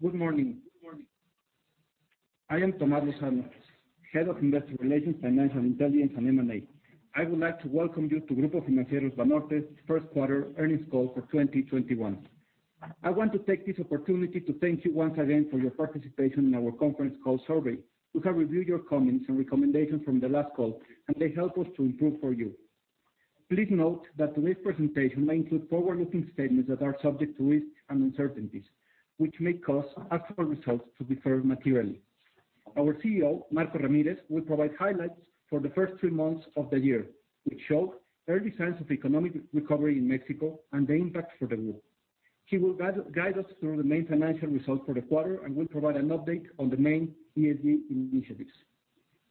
Good morning. I am Tomás Lozano, Head of Investor Relations, Financial Intelligence, and M&A. I would like to welcome you to Grupo Financiero Banorte first quarter earnings call for 2021. I want to take this opportunity to thank you once again for your participation in our conference call survey. We have reviewed your comments and recommendations from the last call, and they help us to improve for you. Please note that today's presentation may include forward-looking statements that are subject to risks and uncertainties, which may cause actual results to differ materially. Our CEO, Marco Ramírez, will provide highlights for the first three months of the year, which show early signs of economic recovery in Mexico and the impact for the group. He will guide us through the main financial results for the quarter and will provide an update on the main ESG initiatives.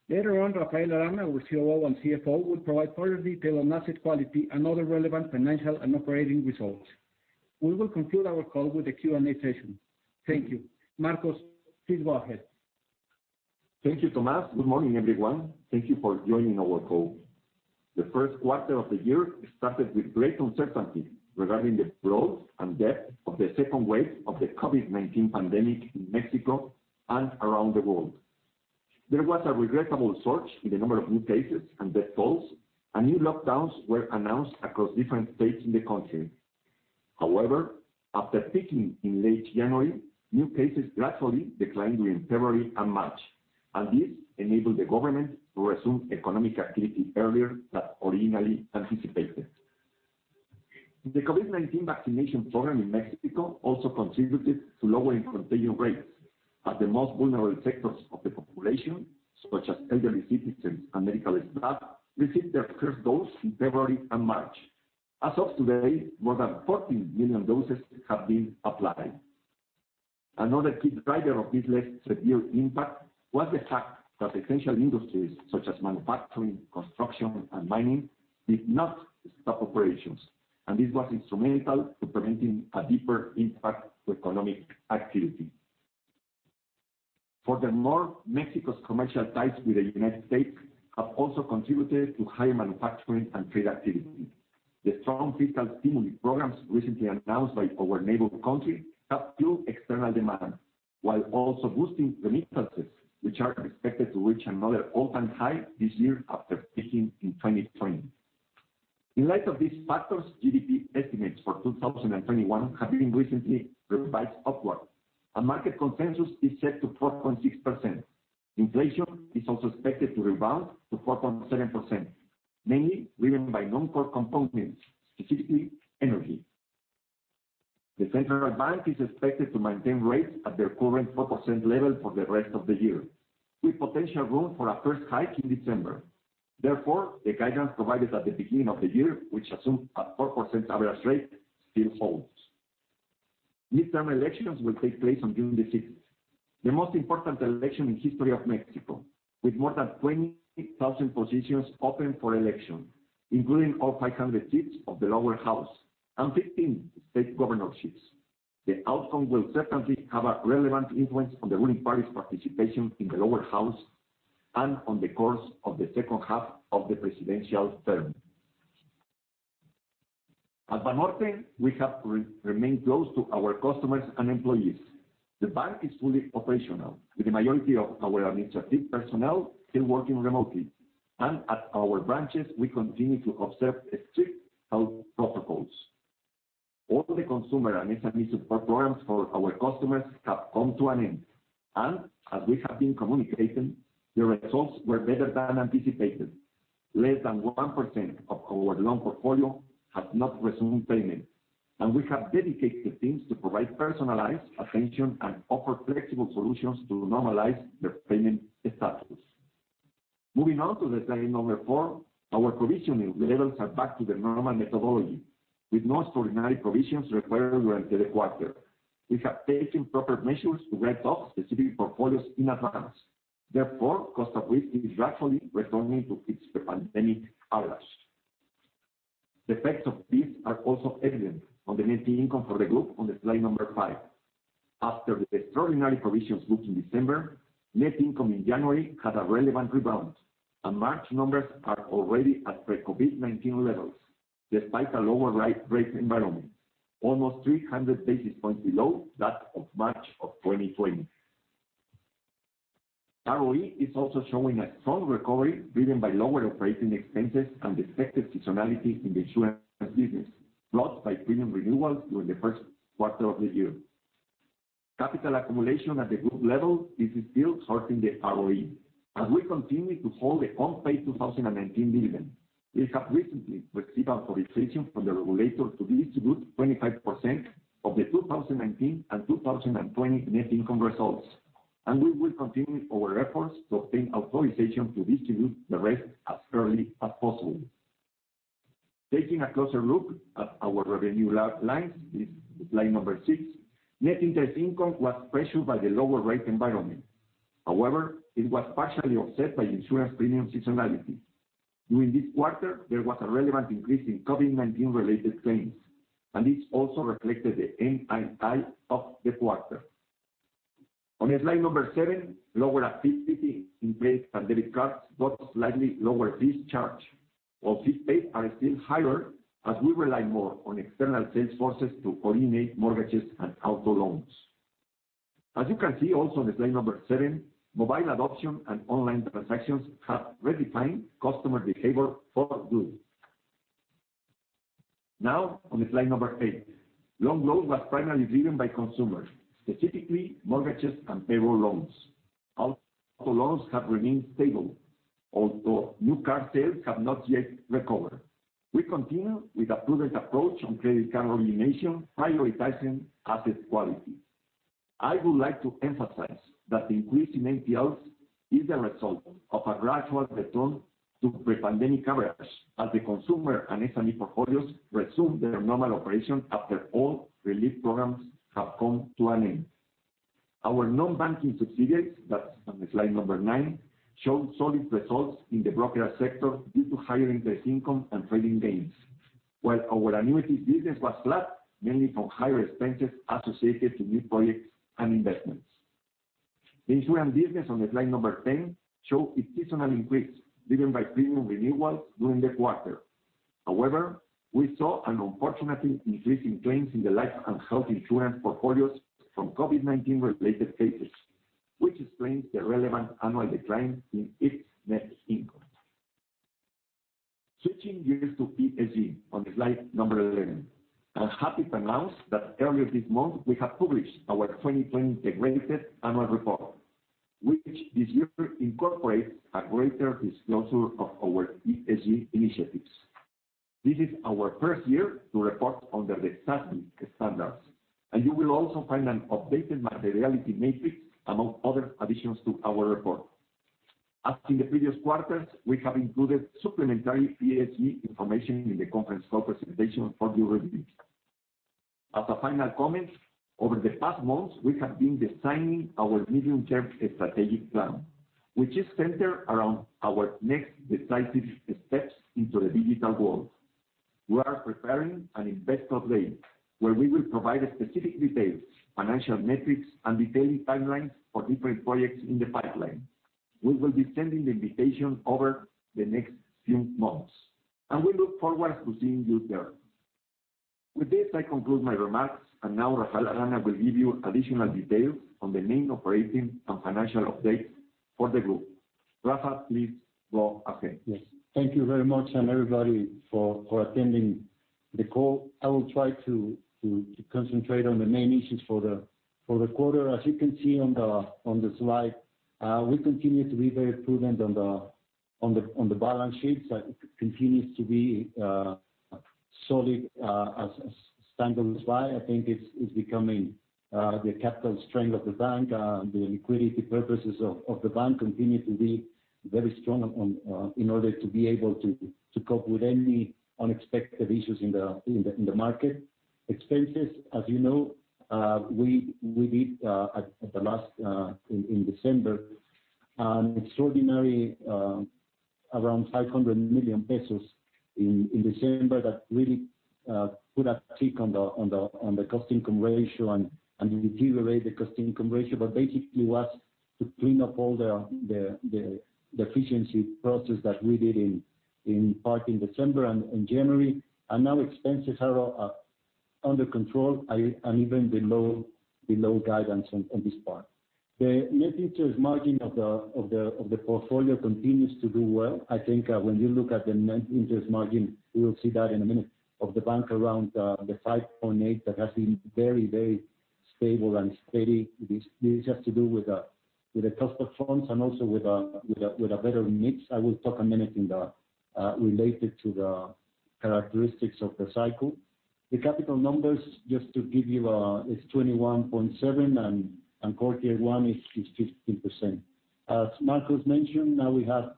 Later on, Rafael Arana, our COO and CFO, will provide further detail on asset quality and other relevant financial and operating results. We will conclude our call with a Q&A session. Thank you. Marcos, please go ahead. Thank you, Tomas. Good morning, everyone. Thank you for joining our call. The first quarter of the year started with great uncertainty regarding the growth and depth of the second wave of the COVID-19 pandemic in Mexico and around the world. There was a regrettable surge in the number of new cases and death tolls. New lockdowns were announced across different states in the country. However, after peaking in late January, new cases gradually declined during February and March. This enabled the government to resume economic activity earlier than originally anticipated. The COVID-19 vaccination program in Mexico also contributed to lowering contagion rates, as the most vulnerable sectors of the population, such as elderly citizens and medical staff, received their first dose in February and March. As of today, more than 14 million doses have been applied. Another key driver of this less severe impact was the fact that essential industries such as manufacturing, construction, and mining did not stop operations, and this was instrumental to preventing a deeper impact to economic activity. Mexico's commercial ties with the United States have also contributed to higher manufacturing and trade activity. The strong fiscal stimulus programs recently announced by our neighbor country helped fuel external demand, while also boosting remittances, which are expected to reach another all-time high this year after peaking in 2020. In light of these factors, GDP estimates for 2021 have been recently revised upward. A market consensus is set to 4.6%. Inflation is also expected to rebound to 4.7%, mainly driven by non-core components, specifically energy. The central bank is expected to maintain rates at their current 4% level for the rest of the year, with potential room for a first hike in December. The guidance provided at the beginning of the year, which assumed a 4% average rate, still holds. Midterm elections will take place on June 6th, the most important election in history of Mexico, with more than 20,000 positions open for election, including all 500 seats of the lower house and 15 state governorships. The outcome will certainly have a relevant influence on the ruling party's participation in the lower house and on the course of the second half of the presidential term. At Banorte, we have remained close to our customers and employees. The bank is fully operational, with the majority of our administrative personnel still working remotely. At our branches, we continue to observe strict health protocols. All the consumer and SME support programs for our customers have come to an end. As we have been communicating, the results were better than anticipated. Less than 1% of our loan portfolio has not resumed payment, and we have dedicated teams to provide personalized attention and offer flexible solutions to normalize their payment status. Moving on to the slide number four, our provisioning levels are back to the normal methodology, with no extraordinary provisions required during the quarter. We have taken proper measures to write off specific portfolios in advance. Therefore, cost of risk is gradually returning to its pre-pandemic average. The effects of these are also evident on the net income for the group on the slide number five. After the extraordinary provisions booked in December, net income in January had a relevant rebound, and March numbers are already at pre-COVID-19 levels, despite a lower rate environment almost 300 basis points below that of March of 2020. ROE is also showing a strong recovery driven by lower operating expenses and the expected seasonality in the insurance business, brought by premium renewals during the first quarter of the year. Capital accumulation at the group level is still hurting the ROE. As we continue to hold the unpaid 2019 dividend, we have recently received authorization from the regulator to distribute 25% of the 2019 and 2020 net income results, and we will continue our efforts to obtain authorization to distribute the rest as early as possible. Taking a closer look at our revenue lines in slide number six, net interest income was pressured by the lower rate environment. However, it was partially offset by insurance premium seasonality. During this quarter, there was a relevant increase in COVID-19 related claims. This also reflected the NII of the quarter. On slide number seven, lower activity in bank and debit cards brought slightly lower fees charge, while fees paid are still higher as we rely more on external sales forces to originate mortgages and auto loans. As you can see also on slide number seven, mobile adoption and online transactions have redefined customer behavior for good. On slide number eight, loan growth was primarily driven by consumers, specifically mortgages and payroll loans. Auto loans have remained stable, although new car sales have not yet recovered. We continue with a prudent approach on credit card origination, prioritizing asset quality. I would like to emphasize that the increase in NPLs is the result of a gradual return to pre-pandemic average as the consumer and SME portfolios resume their normal operation after all relief programs have come to an end. Our non-banking subsidiaries, that's on slide number nine, showed solid results in the brokerage sector due to higher interest income and trading gains. While our annuity business was flat, mainly from higher expenses associated to new projects and investments. The insurance business on slide number 10 showed a seasonal increase driven by premium renewals during the quarter. However, we saw an unfortunate increase in claims in the life and health insurance portfolios from COVID-19 related cases, which explains the relevant annual decline in its net income. Switching gears to ESG on slide number 11. I'm happy to announce that earlier this month, we have published our 2020 integrated annual report, which this year incorporates a greater disclosure of our ESG initiatives. This is our first year to report under the SASB standards, and you will also find an updated materiality matrix among other additions to our report. As in the previous quarters, we have included supplementary ESG information in the conference call presentation for your review. As a final comment, over the past months, we have been designing our medium-term strategic plan, which is centered around our next decisive steps into the digital world. We are preparing an investor day, where we will provide specific details, financial metrics, and detailed timelines for different projects in the pipeline. We will be sending the invitation over the next few months, and we look forward to seeing you there. With this, I conclude my remarks, and now Rafael Arana will give you additional details on the main operating and financial updates for the group. Rafa, please go ahead. Yes. Thank you very much. Everybody for attending the call. I will try to concentrate on the main issues for the quarter. As you can see on the slide, we continue to be very prudent on the balance sheets. That continues to be solid as standard slide. I think it's becoming the capital strength of the bank. The liquidity purposes of the bank continue to be very strong in order to be able to cope with any unexpected issues in the market. Expenses, as you know, we did in December, an extraordinary around 500 million pesos in December that really put a tick on the cost-income ratio and deteriorated the cost-income ratio. Basically, was to clean up all the efficiency process that we did in part in December and January. Now expenses are under control and even below guidance on this part. The net interest margin of the portfolio continues to do well. I think when you look at the net interest margin, we will see that in a minute, of the bank around the 5.8%, that has been very stable and steady. This has to do with the cost of funds and also with a better mix. I will talk a minute related to the characteristics of the cycle. The capital numbers, just to give you, is 21.7% and Core Tier 1 is 15%. As Marcos mentioned, now we have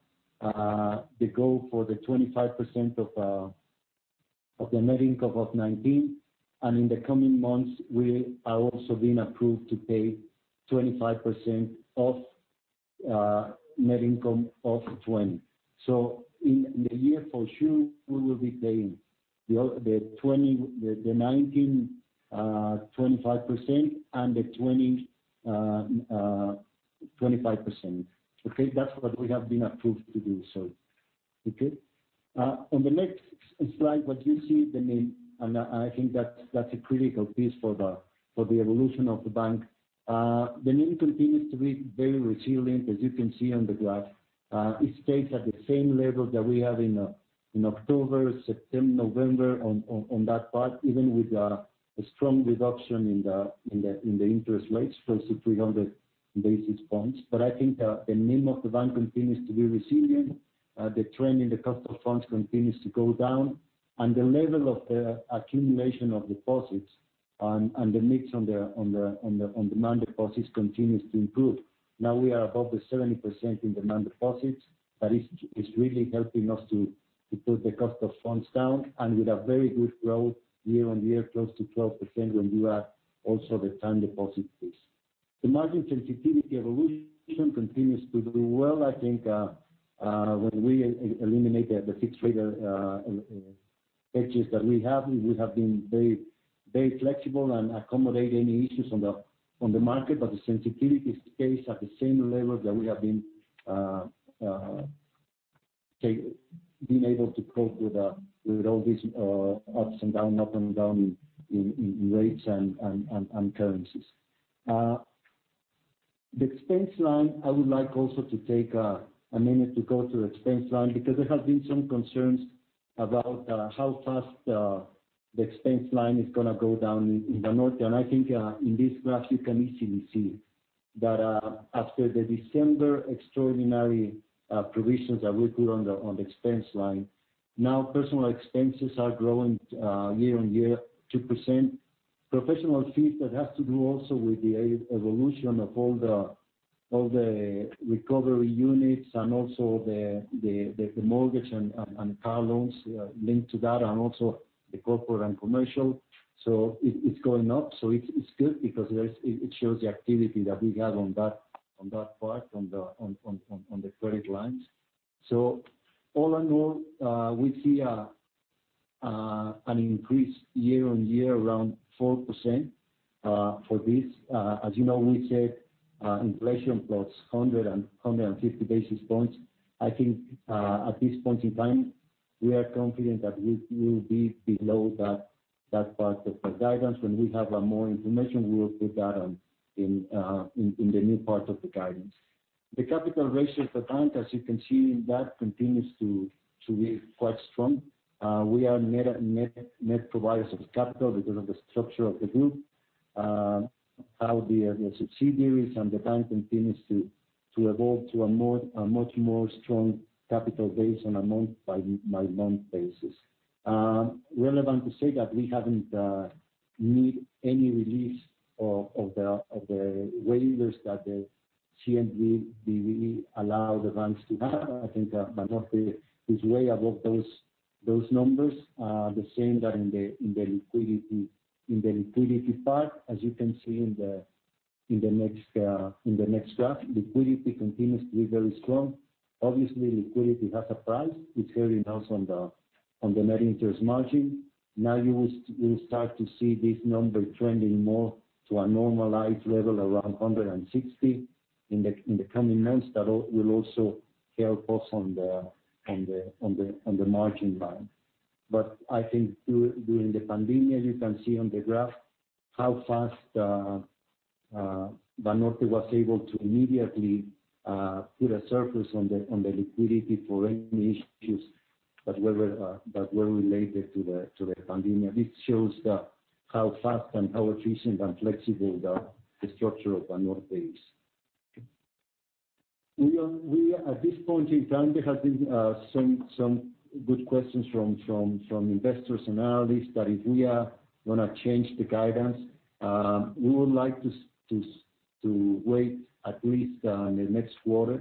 the go for the 25% of the net income of 2019, and in the coming months, we are also being approved to pay 25% of net income of 2020. In the year for sure, we will be paying the 2019, 25%, and the 2020, 25%. Okay? That's what we have been approved to do. Okay? On the next slide, what you see, the NIM, and I think that's a critical piece for the evolution of the bank. The NIM continues to be very resilient, as you can see on the graph. It stays at the same level that we have in October, September, November on that part, even with a strong reduction in the interest rates, close to 300 basis points. I think the NIM of the bank continues to be resilient. The trend in the cost of funds continues to go down and the level of the accumulation of deposits and the mix on demand deposits continues to improve. Now we are above the 70% in demand deposits. That is really helping us to put the cost of funds down, and with a very good growth year-on-year, close to 12% when you add also the time deposit piece. The margin sensitivity evolution continues to do well. I think when we eliminate the fixed-rate liabilities that we have, we have been very flexible and accommodate any issues on the market, but the sensitivity stays at the same level that we have been able to cope with all these ups and downs in rates and currencies. The expense line, I would like also to take a minute to go through the expense line, because there have been some concerns about how fast the expense line is going to go down in Banorte. I think in this graph you can easily see that after the December extraordinary provisions that we put on the expense line, now personal expenses are growing year-on-year 2%. Professional fees, that has to do also with the evolution of all the recovery units and also the mortgage and car loans linked to that, and also the corporate and commercial. It's going up. It's good because it shows the activity that we have on that part, on the credit lines. All in all, we see an increase year-on-year around 4% for this. As you know, we said inflation +150 basis points. I think, at this point in time, we are confident that we will be below that part of the guidance. When we have more information, we will put that in the new part of the guidance. The capital ratios of the bank, as you can see, that continues to be quite strong. We are net providers of capital because of the structure of the group, how the subsidiaries and the bank continues to evolve to a much more strong capital base on a month-by-month basis. Relevant to say that we haven't needed any release of the waivers that the CNBV allowed the banks to have. I think Banorte is way above those numbers. The same that in the liquidity part, as you can see in the next graph, liquidity continues to be very strong. Obviously, liquidity has a price. It's very low on the net interest margin. You will start to see this number trending more to a normalized level around 160 in the coming months. That will also help us on the margin line. I think during the pandemic, you can see on the graph how fast Banorte was able to immediately put a service on the liquidity for any issues that were related to the pandemic. This shows how fast and how efficient and flexible the structure of Banorte is. At this point in time, there has been some good questions from investors and analysts that if we are going to change the guidance. We would like to wait at least on the next quarter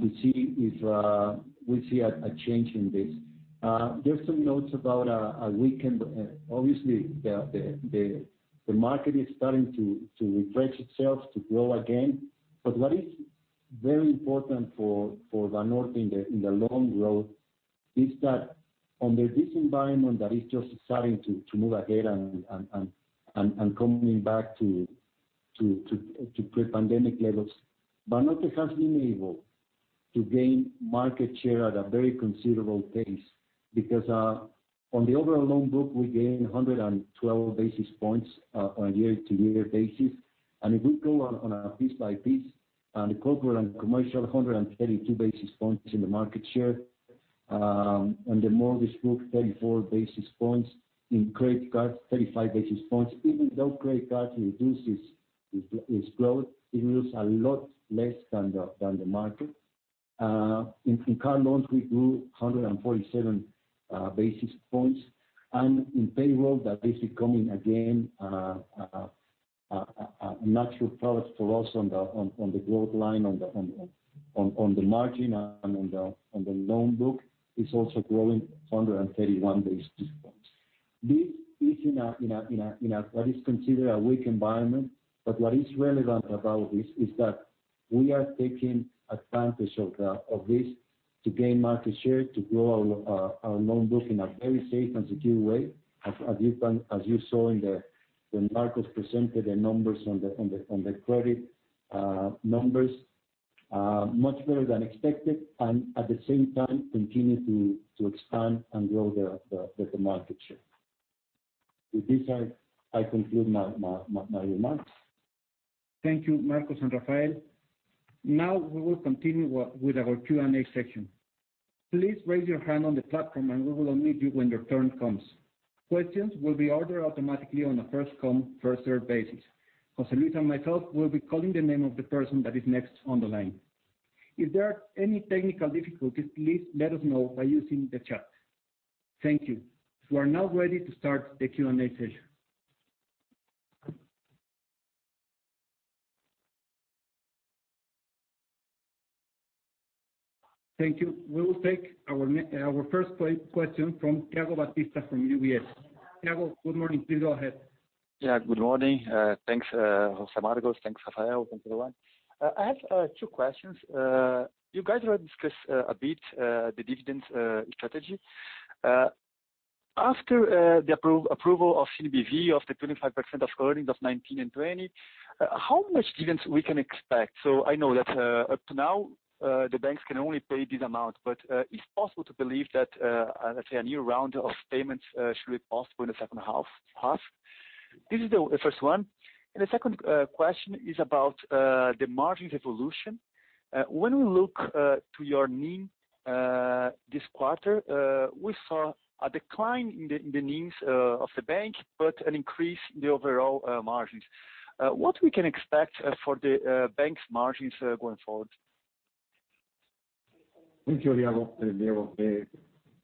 to see if we see a change in this. Obviously, the market is starting to refresh itself, to grow again. What is very important for Banorte in the long road is that under this environment that is just starting to move ahead and coming back to pre-pandemic levels, Banorte has been able to gain market share at a very considerable pace. On the overall loan book, we gained 112 basis points on a year-over-year basis. If we go on a piece by piece, on the corporate and commercial, 132 basis points in the market share. On the mortgage book, 34 basis points. In credit cards, 35 basis points. Even though credit cards reduces its growth, it loses a lot less than the market. In car loans, we grew 147 basis points. In payroll, that is becoming, again, a natural product for us on the growth line, on the margin and on the loan book, is also growing 131 basis points. This is in what is considered a weak environment. What is relevant about this is that we are taking advantage of this to gain market share, to grow our loan book in a very safe and secure way, as you saw when Marcos presented the numbers on the credit numbers, much better than expected, and at the same time continue to expand and grow the market share. With this, I conclude my remarks. Thank you, Marcos and Rafael. Now we will continue with our Q&A section. Please raise your hand on the platform, and we will unmute you when your turn comes. Questions will be ordered automatically on a first come, first served basis. Jose Luis and myself will be calling the name of the person that is next on the line. If there are any technical difficulties, please let us know by using the chat. Thank you. We are now ready to start the Q&A session. Thank you. We will take our 1st question from Thiago Batista from UBS. Thiago, good morning. Please go ahead. Good morning. Thanks, José Marcos. Thanks, Rafael. Thanks, everyone. I have two questions. You guys have discussed a bit the dividend strategy. After the approval of CNBV of the 25% of earnings of 2019 and 2020, how much dividends we can expect? I know that up to now, the banks can only pay this amount, but it's possible to believe that, let's say, a new round of payments should be possible in the second half. This is the first one, and the second question is about the margin evolution. When we look to your NIM this quarter, we saw a decline in the NIMs of the bank, but an increase in the overall margins. What we can expect for the bank's margins going forward? Thank you, Thiago. The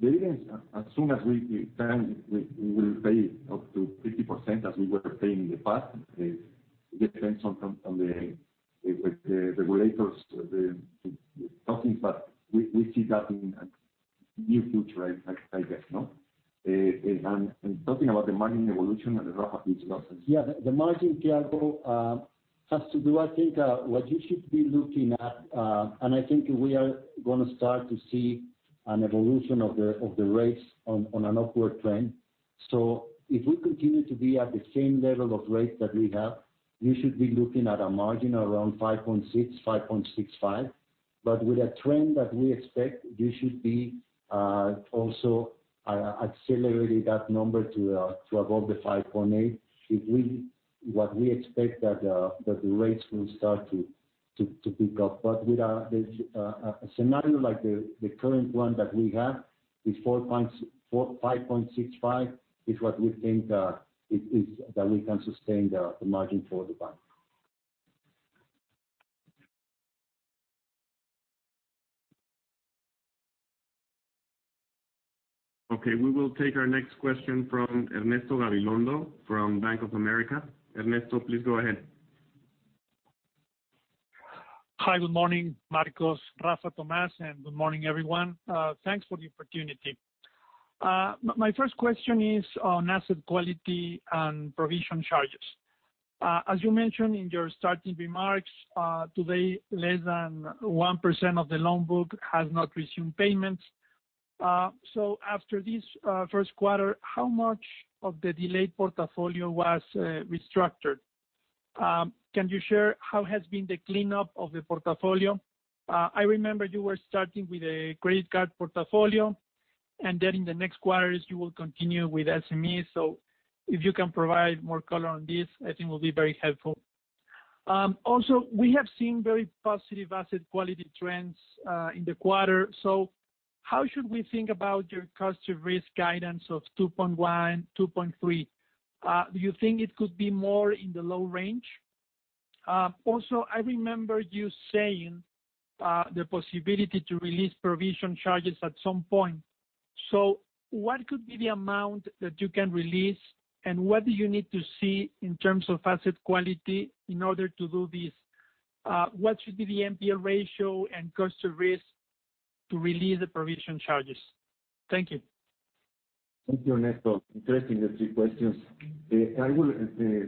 dividends, as soon as we can, we will pay up to 50% as we were paying in the past. It depends on the regulators, the companies, we see that in near future, I guess. Talking about the margin evolution, Rafa, please go ahead. Yeah, the margin, Thiago. What you should be looking at, and I think we are going to start to see an evolution of the rates on an upward trend. If we continue to be at the same level of rates that we have, you should be looking at a margin around 5.6%, 5.65%. With a trend that we expect, you should be also accelerating that number to above the 5.8%, if what we expect that the rates will start to pick up. With a scenario like the current one that we have, this 5.65% is what we think that we can sustain the margin for the bank. Okay, we will take our next question from Ernesto Gabilondo from Bank of America. Ernesto, please go ahead. Hi, good morning, Marcos, Rafa, Tomás, good morning, everyone. Thanks for the opportunity. My 1st question is on asset quality and provision charges. As you mentioned in your starting remarks, today less than 1% of the loan book has not resumed payments. After this first quarter, how much of the delayed portfolio was restructured? Can you share how has been the cleanup of the portfolio? I remember you were starting with a credit card portfolio, in the next quarters, you will continue with SMEs. If you can provide more color on this, I think will be very helpful. Also, we have seen very positive asset quality trends in the quarter. How should we think about your cost of risk guidance of 2.1%-2.3%? Do you think it could be more in the low range? I remember you saying the possibility to release provision charges at some point. What could be the amount that you can release, and what do you need to see in terms of asset quality in order to do this? What should be the NPL ratio and cost of risk to release the provision charges? Thank you. Thank you, Ernesto. Interesting, the three questions. I will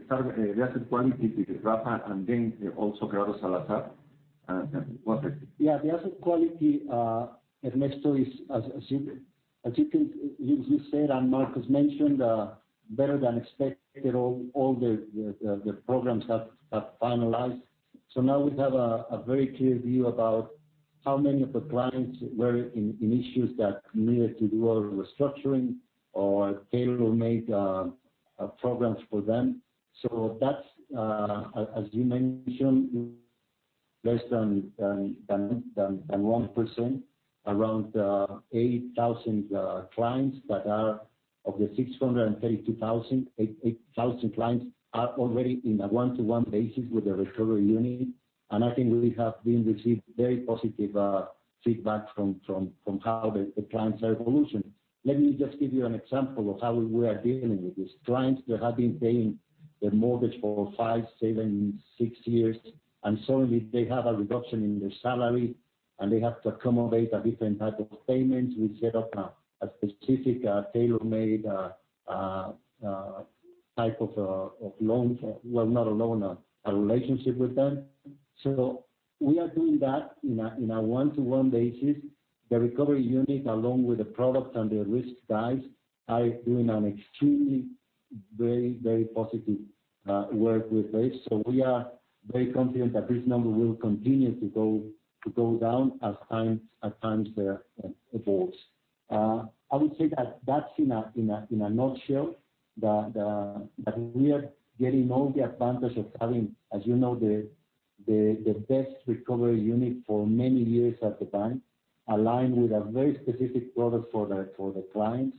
start the asset quality with Rafa and then also Gerardo Salazar. Go ahead. The asset quality, Ernesto, as you said and Marcos mentioned, better than expected. All the programs have finalized. Now we have a very clear view about how many of the clients were in issues that needed to do a restructuring or tailor-made programs for them. That's, as you mentioned, less than 1%, around 8,000 clients that are of the 632,000. 8,000 clients are already in a one-to-one basis with the recovery unit, and I think we have been received very positive feedback from how the clients are evolution. Let me just give you an example of how we are dealing with this. Clients that have been paying their mortgage for five, seven, six years, and suddenly they have a reduction in their salary, and they have to accommodate a different type of payments. We set up a specific tailor-made type of loan, well, not a loan, a relationship with them. We are doing that in a one-to-one basis. The recovery unit, along with the product and the risk guys, are doing an extremely very positive work with this. We are very confident that this number will continue to go down as time evolves. I would say that's in a nutshell, that we are getting all the advantage of having, as you know, the best recovery unit for many years at the bank, aligned with a very specific product for the clients.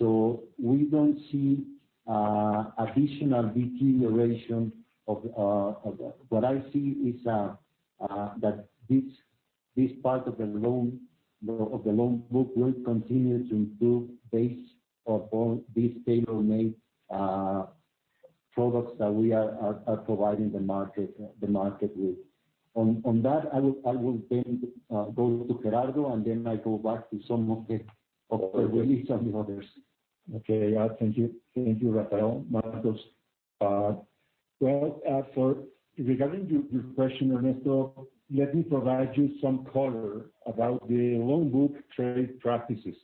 We don't see additional deterioration of that. What I see is that this part of the loan book will continue to improve based upon these tailor-made products that we are providing the market with. On that, I will then go to Gerardo, and then I go back to some of the others. Okay. Thank you, Rafael, Marcos. Regarding your question, Ernesto, let me provide you some color about the loan book trade practices.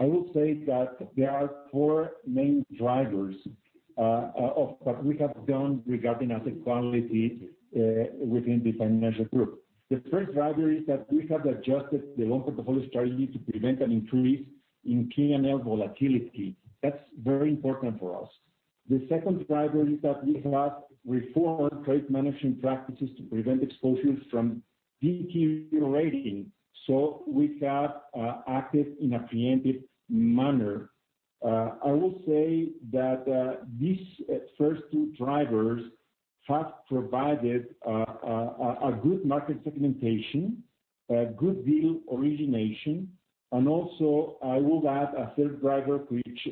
I will say that there are four main drivers of what we have done regarding asset quality within the financial group. The first driver is that we have adjusted the loan portfolio strategy to prevent an increase in P&L volatility. That's very important for us. The second driver is that we have reformed trade management practices to prevent exposures from deteriorating. We have acted in a preemptive manner. I will say that these first two drivers have provided a good market segmentation, a good deal origination, and also I will add a third driver, which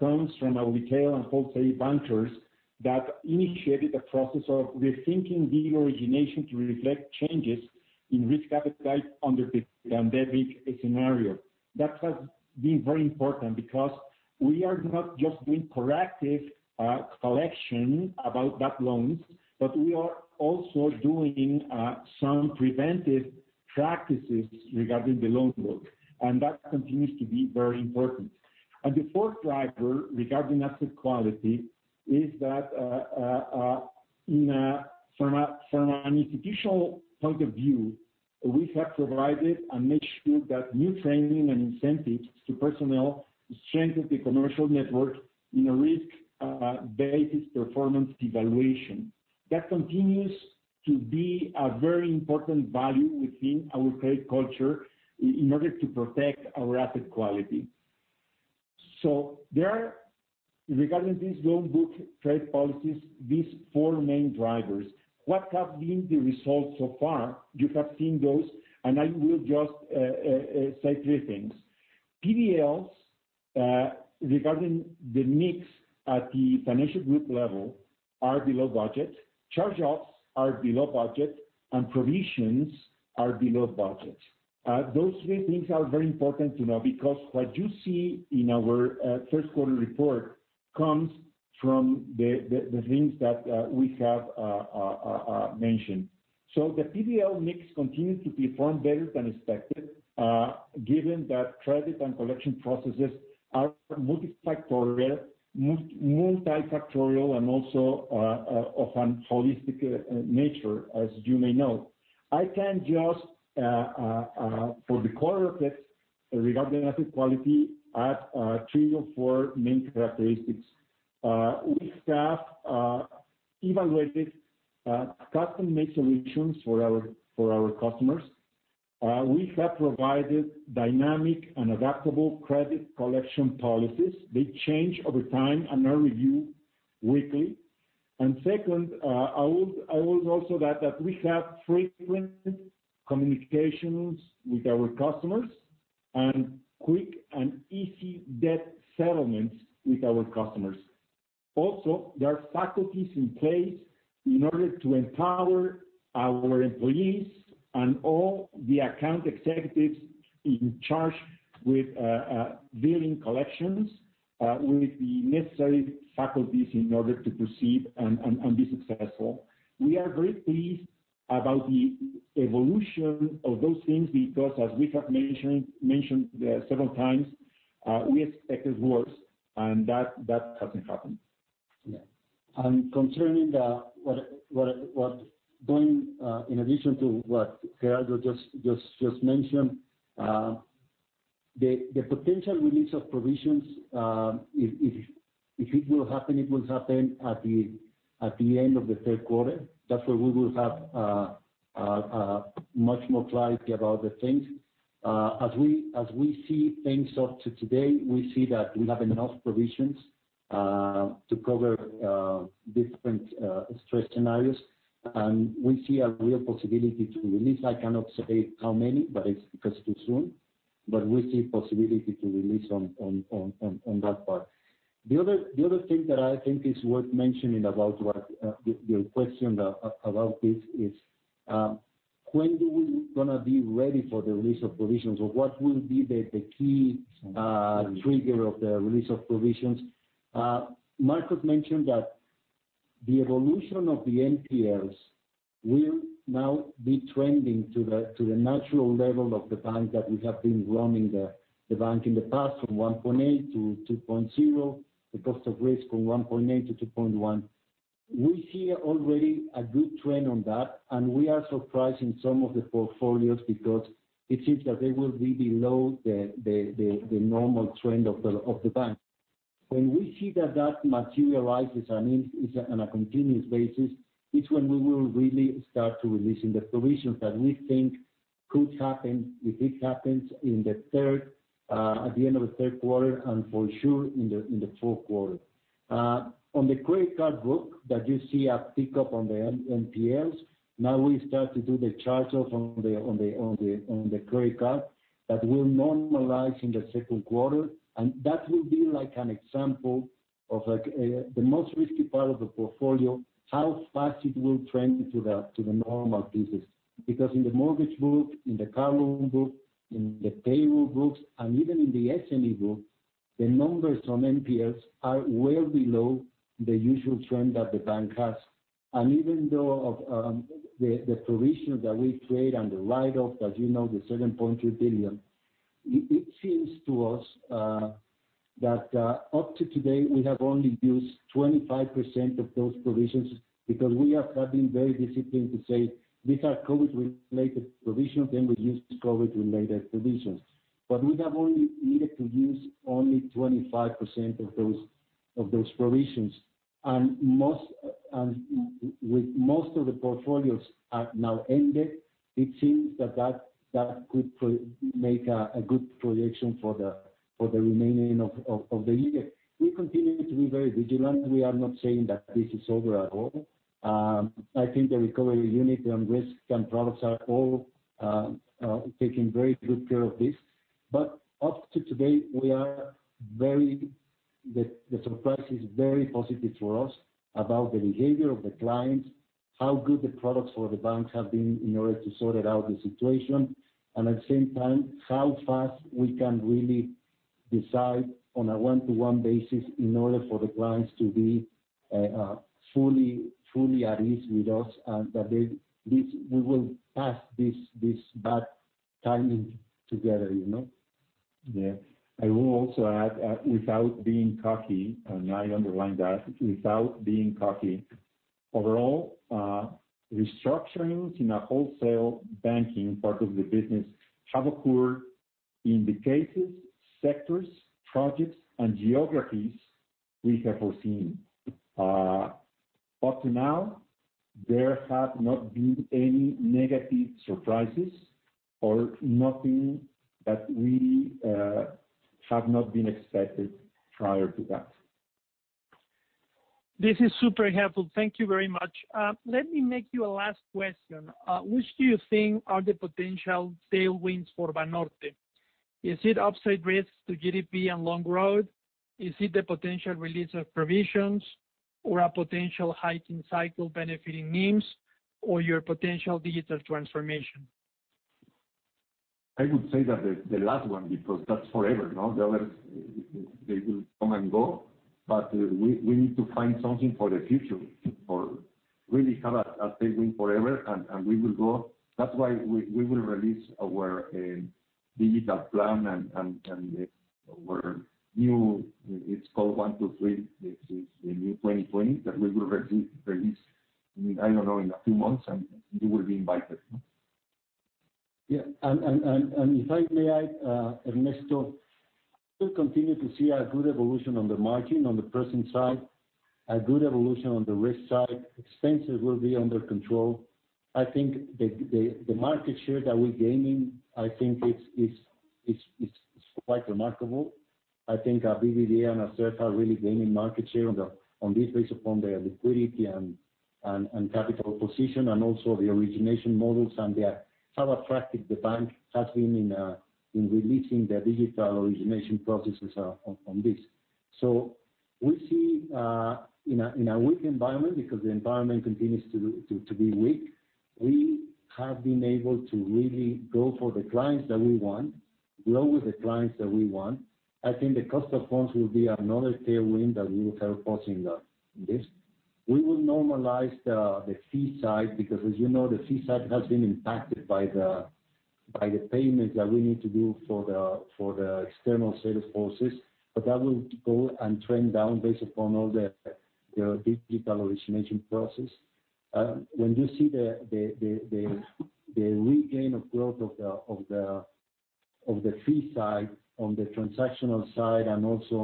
comes from our retail and wholesale bankers that initiated a process of rethinking deal origination to reflect changes in risk appetite under the pandemic scenario. That has been very important because we are not just doing proactive collection about that loans, but we are also doing some preventive practices regarding the loan book, and that continues to be very important. The fourth driver regarding asset quality is that from an institutional point of view, we have provided and made sure that new training and incentives to personnel strengthen the commercial network in a risk-based performance evaluation. That continues to be a very important value within our trade culture in order to protect our asset quality. There are, regarding these loan book trade policies, these four main drivers. What have been the results so far? You have seen those, and I will just say three things. NPLs, regarding the mix at the financial group level, are below budget, charge-offs are below budget, and provisions are below budget. Those three things are very important to know because what you see in our first quarter report comes from the things that we have mentioned. The P&L mix continues to perform better than expected, given that credit and collection processes are multifactorial and also of an holistic nature, as you may know. I can just, for the quarter effects regarding asset quality, add three or four main characteristics. We have evaluated custom-made solutions for our customers. We have provided dynamic and adaptable credit collection policies. They change over time and are reviewed weekly. Second, I would also add that we have frequent communications with our customers and quick and easy debt settlements with our customers. Also, there are faculties in place in order to empower our employees and all the account executives in charge with billing collections with the necessary faculties in order to proceed and be successful. We are very pleased about the evolution of those things because, as we have mentioned several times, we expected worse, and that hasn't happened. Yeah. Concerning in addition to what Gerardo just mentioned, the potential release of provisions, if it will happen, it will happen at the end of the third quarter. That's where we will have much more clarity about the things. As we see things up to today, we see that we have enough provisions to cover different stress scenarios, and we see a real possibility to release. I cannot say how many, because it's too soon, but we see possibility to release on that part. The other thing that I think is worth mentioning about your question about this is when are we going to be ready for the release of provisions or what will be the key trigger of the release of provisions? Marcos mentioned that the evolution of the NPLs will now be trending to the natural level of the bank that we have been running the bank in the past, from 1.8%-2.0%, the cost of risk from 1.8%-2.1%. We see already a good trend on that, and we are surprised in some of the portfolios because it seems that they will be below the normal trend of the bank. When we see that that materializes on a continuous basis, it's when we will really start to releasing the provisions that we think could happen, if it happens, at the end of the third quarter and for sure in the fourth quarter. The credit card book that you see a pickup on the NPLs, now we start to do the charge-off on the credit card that will normalize in the second quarter, and that will be like an example of the most risky part of the portfolio, how fast it will trend to the normal business. In the mortgage book, in the car loan book, in the payroll books, and even in the SME book, the numbers from NPLs are well below the usual trend that the bank has. Even though of the provision that we create and the write-off, as you know, the 7.2 billion, it seems to us that up to today, we have only used 25% of those provisions because we have been very disciplined to say, "These are COVID-related provisions, then we use COVID-related provisions." We have only needed to use only 25% of those provisions. With most of the portfolios are now ended, it seems that could make a good projection for the remaining of the year. We continue to be very vigilant. We are not saying that this is over at all. I think the recovery unit and risk and products are all taking very good care of this. Up to today, the surprise is very positive for us about the behavior of the clients, how good the products for the banks have been in order to sort out the situation, and at the same time, how fast we can really decide on a one-to-one basis in order for the clients to be fully at ease with us, and that we will pass this bad timing together. Yeah. I will also add, without being cocky, and I underline that, without being cocky, overall, restructurings in a wholesale banking part of the business have occurred in the cases, sectors, projects, and geographies we have foreseen. Up to now, there have not been any negative surprises or nothing that we have not been expected prior to that. This is super helpful. Thank you very much. Let me make you a last question. Which do you think are the potential tailwinds for Banorte? Is it upside risks to GDP and long road? Is it the potential release of provisions or a potential hiking cycle benefiting NIMs or your potential digital transformation? I would say that the last one, because that's forever. The others, they will come and go. We need to find something for the future, or really have a tailwind forever, and we will go. That's why we will release our digital plan and our new, it's called 123. This is the new 2020 that we will release, I don't know, in a few months, and you will be invited. If I may add, Ernesto, we continue to see a good evolution on the margin, on the pricing side, a good evolution on the risk side. Expenses will be under control. I think the market share that we're gaining, I think it's quite remarkable. I think our BBVA and our CERCA are really gaining market share on this based upon their liquidity and capital position and also the origination models and how attractive the bank has been in releasing their digital origination processes on this. We see, in a weak environment, because the environment continues to be weak, we have been able to really go for the clients that we want, grow with the clients that we want. I think the cost of funds will be another tailwind that we will have also in this. We will normalize the fee side because, as you know, the fee side has been impacted by the payments that we need to do for the external set of forces. That will go and trend down based upon all the digital origination process. When you see the regain of growth of the fee side, on the transactional side, and also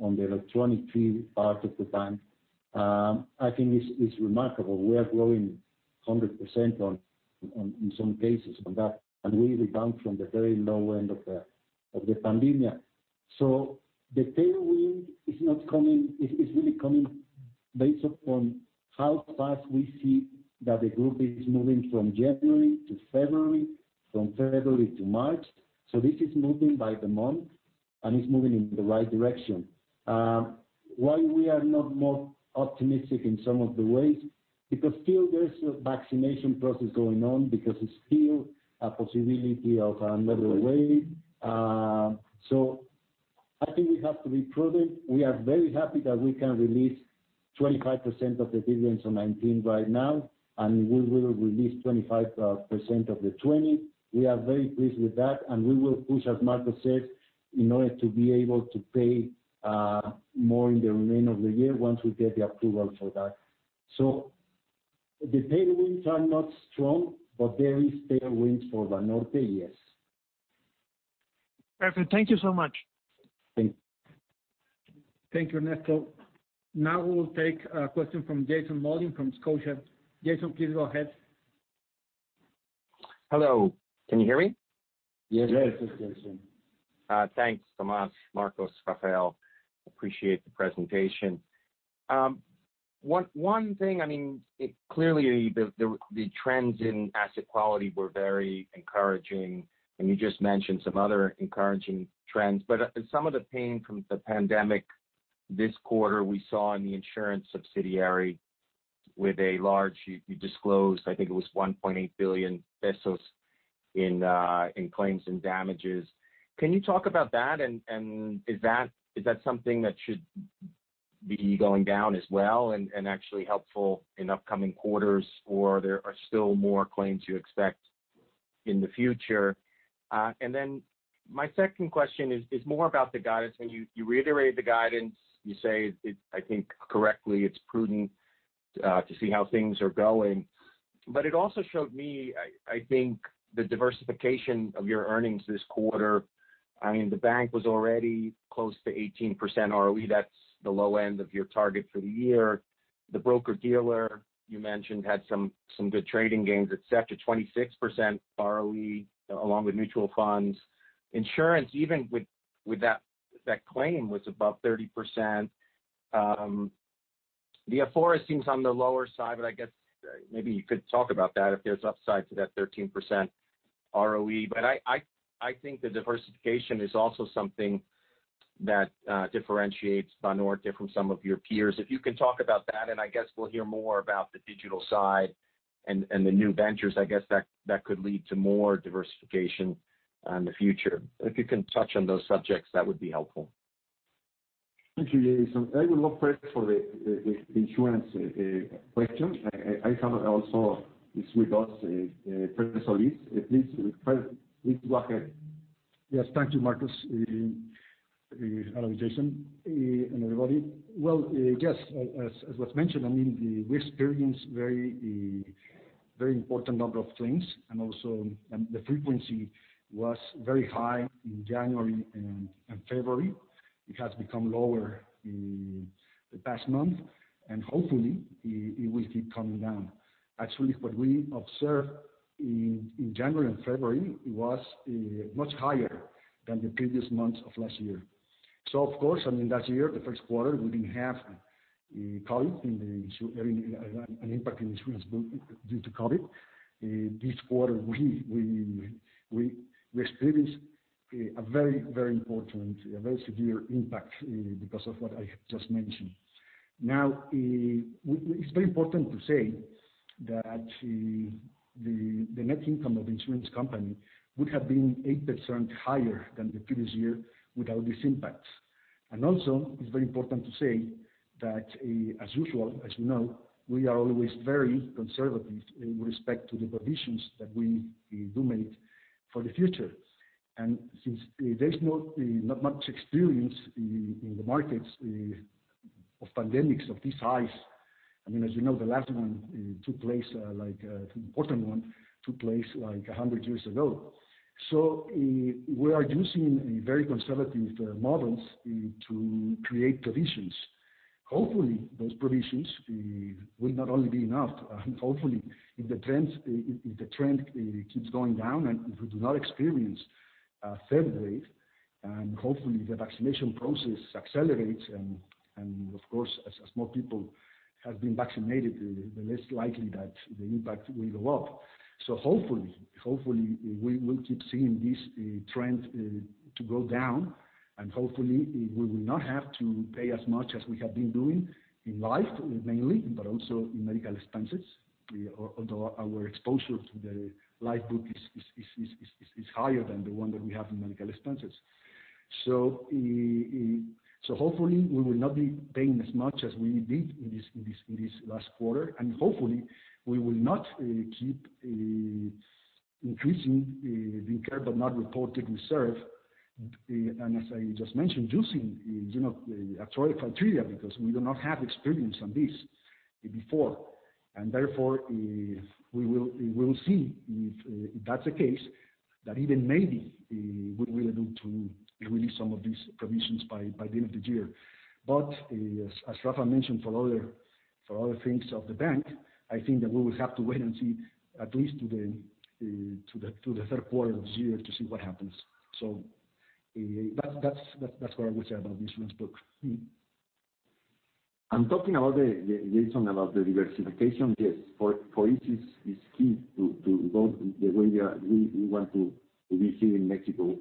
on the electronic fee part of the bank, I think it's remarkable. We are growing 100% in some cases on that, and really down from the very low end of the pandemic. The tailwind is really coming based upon how fast we see that the group is moving from January to February, from February to March. This is moving by the month, and it's moving in the right direction. Why we are not more optimistic in some of the ways? Still there's a vaccination process going on, because it's still a possibility of another wave. I think we have to be prudent. We are very happy that we can release 25% of the dividends on 2019 right now, and we will release 25% of the 2020. We are very pleased with that, and we will push, as Marcos said, in order to be able to pay more in the remainder of the year once we get the approval for that. The tailwinds are not strong, but there is tailwinds for Banorte, yes. Perfect. Thank you so much. Thank you. Thank you, Ernesto. Now we will take a question from Jason Mollin from Scotiabank. Jason, please go ahead. Hello, can you hear me? Yes. Thanks, Tomás, Marcos, Rafael. Appreciate the presentation. One thing, clearly, the trends in asset quality were very encouraging, and you just mentioned some other encouraging trends, but some of the pain from the pandemic this quarter we saw in the insurance subsidiary with a large, you disclosed, I think it was 1.8 billion pesos in claims and damages. Can you talk about that, and is that something that should be going down as well and actually helpful in upcoming quarters, or there are still more claims you expect in the future? My second question is more about the guidance. When you reiterate the guidance, you say, I think correctly, it's prudent to see how things are going. It also showed me, I think, the diversification of your earnings this quarter. The bank was already close to 18% ROE. That's the low end of your target for the year. The broker-dealer, you mentioned, had some good trading gains. It's set to 26% ROE along with mutual funds. Insurance, even with that claim, was above 30%. The Afore seems on the lower side, I guess maybe you could talk about that if there's upside to that 13% ROE. I think the diversification is also something that differentiates Banorte from some of your peers. If you can talk about that, I guess we'll hear more about the digital side and the new ventures, I guess, that could lead to more diversification in the future. If you can touch on those subjects, that would be helpful. Thank you, Jason. I will look first for the insurance question. I have also is with us, Fer Solis. Please, Fred, please go ahead. Yes. Thank you, Marcos. Hello, Jason and everybody. Well, yes, as was mentioned, we experienced very important number of claims, and the frequency was very high in January and February. It has become lower in the past month, and hopefully, it will keep coming down. Actually, what we observed in January and February, it was much higher than the previous months of last year. Of course, that year, the first quarter, we didn't have COVID and an impact in insurance due to COVID. This quarter, we experienced a very important, a very severe impact because of what I have just mentioned. Now, it's very important to say that the net income of insurance company would have been 8% higher than the previous year without this impact. Also, it's very important to say that as usual, as you know, we are always very conservative in respect to the provisions that we do make for the future. Since there's not much experience in the markets of pandemics of this size, as you know, the last one, the important one took place like 100 years ago. We are using very conservative models to create provisions. Hopefully, those provisions will not only be enough. Hopefully, if the trend keeps going down and if we do not experience a third wave, and hopefully the vaccination process accelerates and, of course, as more people have been vaccinated, the less likely that the impact will go up. Hopefully, we will keep seeing this trend to go down, and hopefully, we will not have to pay as much as we have been doing in life mainly, but also in medical expenses. Although our exposure to the life book is higher than the one that we have in medical expenses. Hopefully, we will not be paying as much as we did in this last quarter, and hopefully, we will not keep increasing the incurred but not reported reserve. As I just mentioned, using actuarial criteria because we do not have experience on this before. Therefore, we will see if that's the case, that even maybe we will look to release some of these provisions by the end of the year. As Rafael Arana mentioned, for other things of the bank, I think that we will have to wait and see at least to the third quarter of this year to see what happens. That's what I would say about the insurance book. Talking about the diversification, yes, for each it's key to go the way we want to be here in Mexico.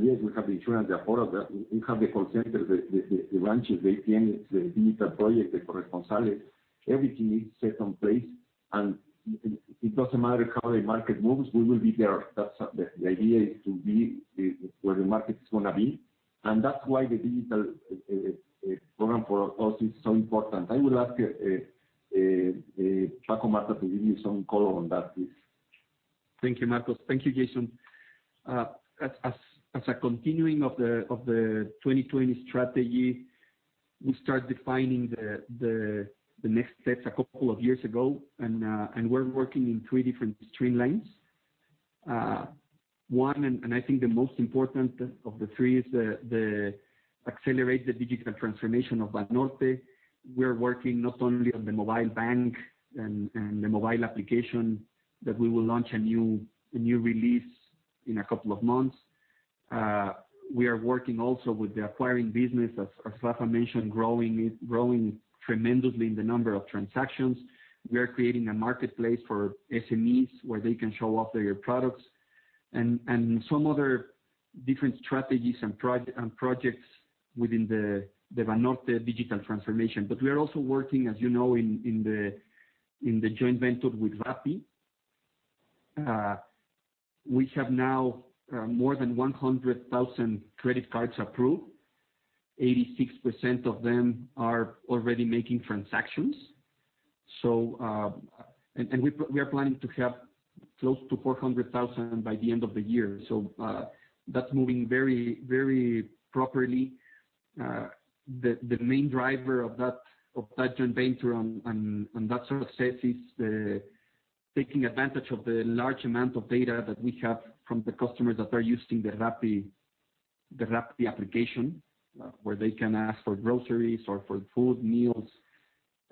Yes, we have the insurance, the Afore, we have the call center, the branches, the ATMs, the digital project, the corresponsales. Everything is set in place, it doesn't matter how the market moves, we will be there. The idea is to be where the market is going to be, that's why the digital program for us is so important. I would ask Francisco Martha to give you some color on that, please. Thank you, Marcos. Thank you, Jason. As a continuing of the 2020 strategy, we start defining the next steps a couple of years ago, and we're working in three different streamlines. One, and I think the most important of the three, is to accelerate the digital transformation of Banorte. We are working not only on the mobile bank and the mobile application, but we will launch a new release in a couple of months. We are working also with the acquiring business, as Rafa mentioned, growing tremendously in the number of transactions. We are creating a marketplace for SMEs where they can show off their products, and some other different strategies and projects within the Banorte digital transformation. We are also working, as you know, in the joint venture with Rappi. We have now more than 100,000 credit cards approved. 86% of them are already making transactions. We are planning to have close to 400,000 by the end of the year. That's moving very properly. The main driver of that joint venture and that success is taking advantage of the large amount of data that we have from the customers that are using the Rappi application, where they can ask for groceries or for food, meals,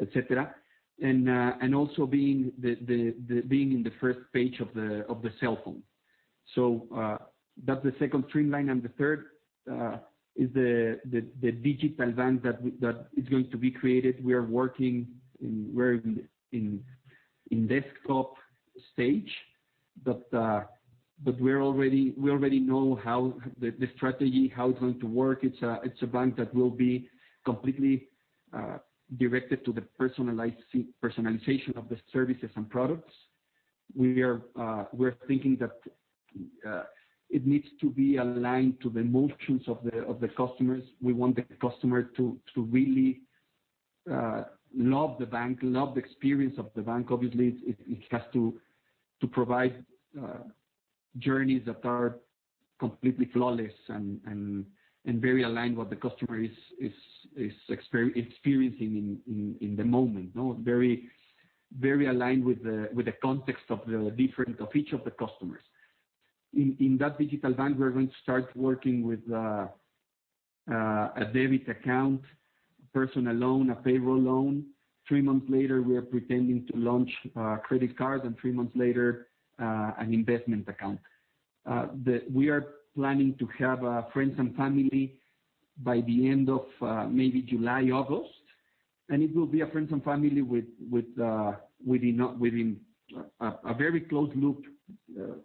et cetera. Also being on the first page of the cellphone. That's the second streamline, and the third is the digital bank that is going to be created. We are working in the desktop stage, but we already know the strategy, how it's going to work. It's a bank that will be completely directed to the personalization of the services and products. We're thinking that it needs to be aligned to the emotions of the customers. We want the customer to really love the bank, love the experience of the bank. Obviously, it has to provide journeys that are completely flawless and very aligned with what the customer is experiencing in the moment. Very aligned with the context of each of the customers. In that digital bank, we are going to start working with a debit account, personal loan, a payroll loan. Three months later, we are pretending to launch credit cards, and three months later, an investment account. We are planning to have a friends and family by the end of maybe July, August. And it will be a friends and family within a very close loop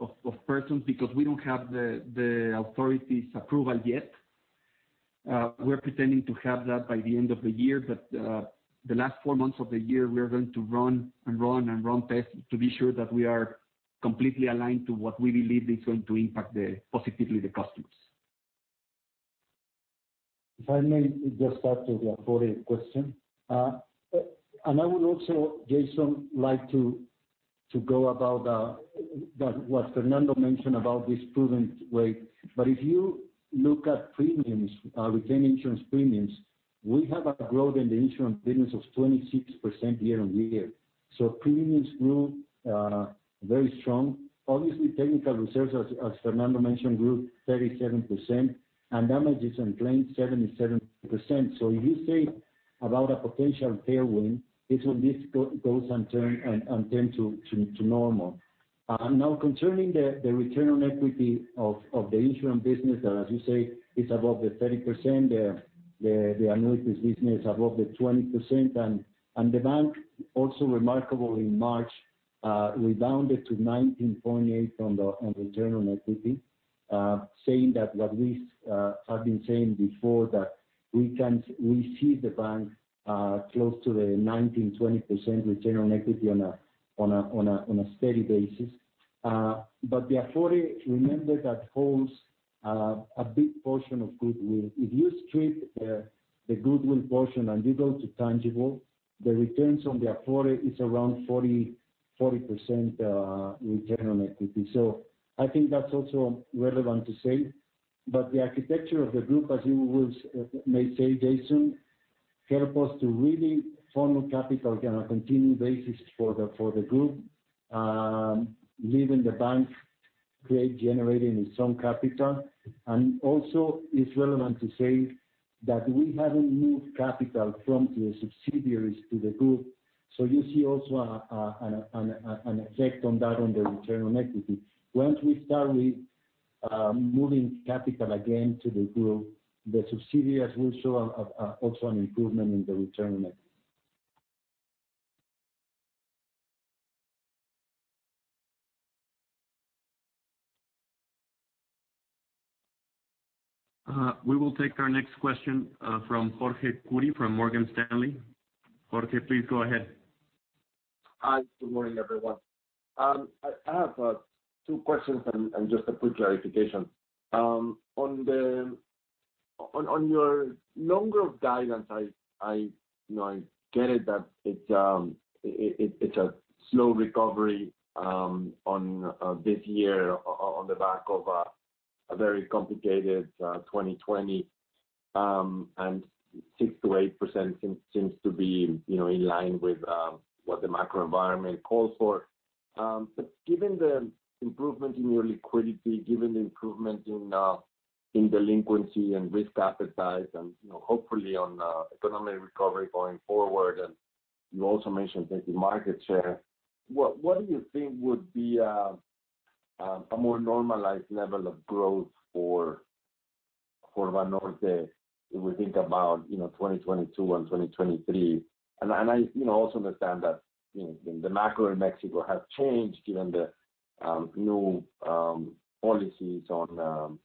of persons, because we don't have the authority's approval yet. We're pretending to have that by the end of the year, but the last four months of the year, we are going to run and run tests to be sure that we are completely aligned to what we believe is going to impact positively the customers. If I may just add to the Afore question. I would also, Jason, like to go about what Fernando mentioned about this prudent way. If you look at premiums, retain insurance premiums, we have a growth in the insurance premiums of 26% year-over-year. Premiums grew very strong. Obviously, technical reserves, as Fernando mentioned, grew 37%, and damages and claims 77%. If you say about a potential tailwind, this will go and turn to normal. Now concerning the return on equity of the insurance business that, as you say, is above the 30%, the annuities business above the 20%, and the bank also remarkably in March rebounded to 19.8% on return on equity, saying that what we have been saying before, that we see the bank close to the 19%-20% return on equity on a steady basis. The Afore, remember, that holds a big portion of goodwill. If you strip the goodwill portion and you go to tangible, the returns on the Afore is around 40% return on equity. I think that's also relevant to say, but the architecture of the group, as you may say, Jason, help us to really form capital on a continued basis for the group, leaving the bank, create, generating its own capital. Also, it's relevant to say that we haven't moved capital from the subsidiaries to the group, so you see also an effect on that on the return on equity. Once we start with moving capital again to the group, the subsidiaries will show also an improvement in the return on equity. We will take our next question from Jorge Kuri from Morgan Stanley. Jorge, please go ahead. Hi, good morning, everyone. I have two questions and just a quick clarification. On your number of guidance, I get it that it's a slow recovery on this year on the back of a very complicated 2020. 6%-8% seems to be in line with what the macro environment calls for. Given the improvement in your liquidity, given the improvement in delinquency and risk appetite and, hopefully on economic recovery going forward, you also mentioned taking market share, what do you think would be a more normalized level of growth for Banorte if we think about 2022 and 2023? I also understand that the macro in Mexico has changed given the new policies on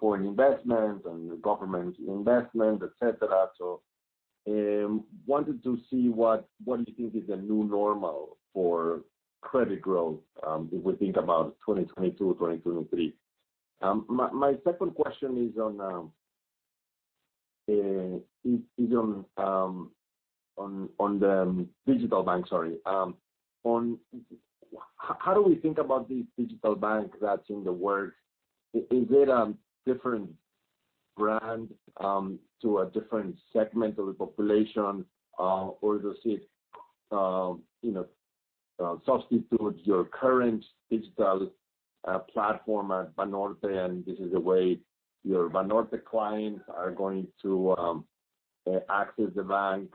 foreign investment and government investment, et cetera. Wanted to see what you think is the new normal for credit growth if we think about 2022, 2023. My second question is on the digital bank. How do we think about this digital bank that's in the works? Is it a different brand to a different segment of the population? Does it substitute your current digital platform at Banorte and this is the way your Banorte clients are going to access the bank?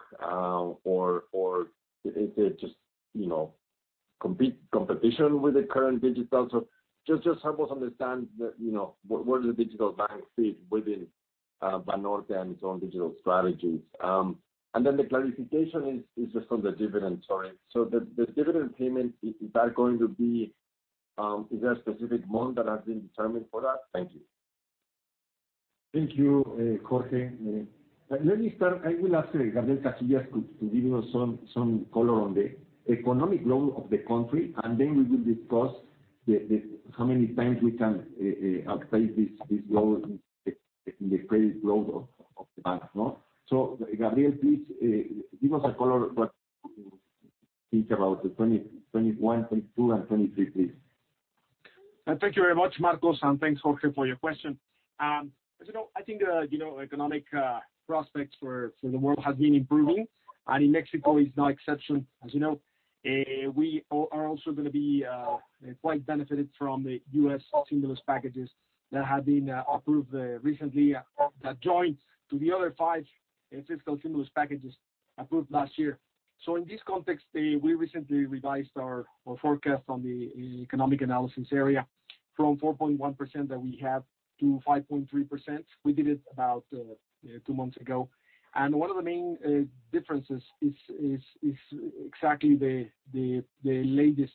Is it just competition with the current digital? Just help us understand where the digital bank fits within Banorte and its own digital strategies. The clarification is just on the dividend. The dividend payment, is there a specific month that has been determined for that? Thank you. Thank you, Jorge. Let me start. I will ask Gabriel Casillas to give us some color on the economic growth of the country, then we will discuss how many times we can uptake this growth in the credit growth of the bank. Gabriel, please give us a color, what you think about the 2021, 2022, and 2023, please. Thank you very much, Marcos, and thanks, Jorge, for your question. As you know, I think the economic prospects for the world has been improving. In Mexico is no exception. As you know, we are also going to be quite benefited from the U.S. stimulus packages that have been approved recently that joined to the other five fiscal stimulus packages approved last year. In this context, we recently revised our forecast on the economic analysis area from 4.1% that we had to 5.3%. We did it about two months ago. One of the main differences is exactly the latest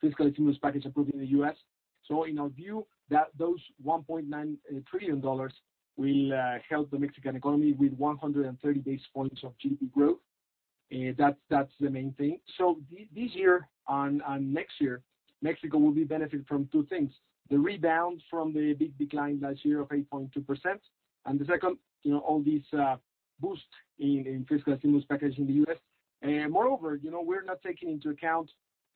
fiscal stimulus package approved in the U.S. In our view, those $1.9 trillion will help the Mexican economy with 130 basis points of GDP growth. That's the main thing. This year and next year, Mexico will be benefiting from two things, the rebound from the big decline last year of 8.2%, and the second, all this boost in fiscal stimulus package in the U.S. Moreover, we're not taking into account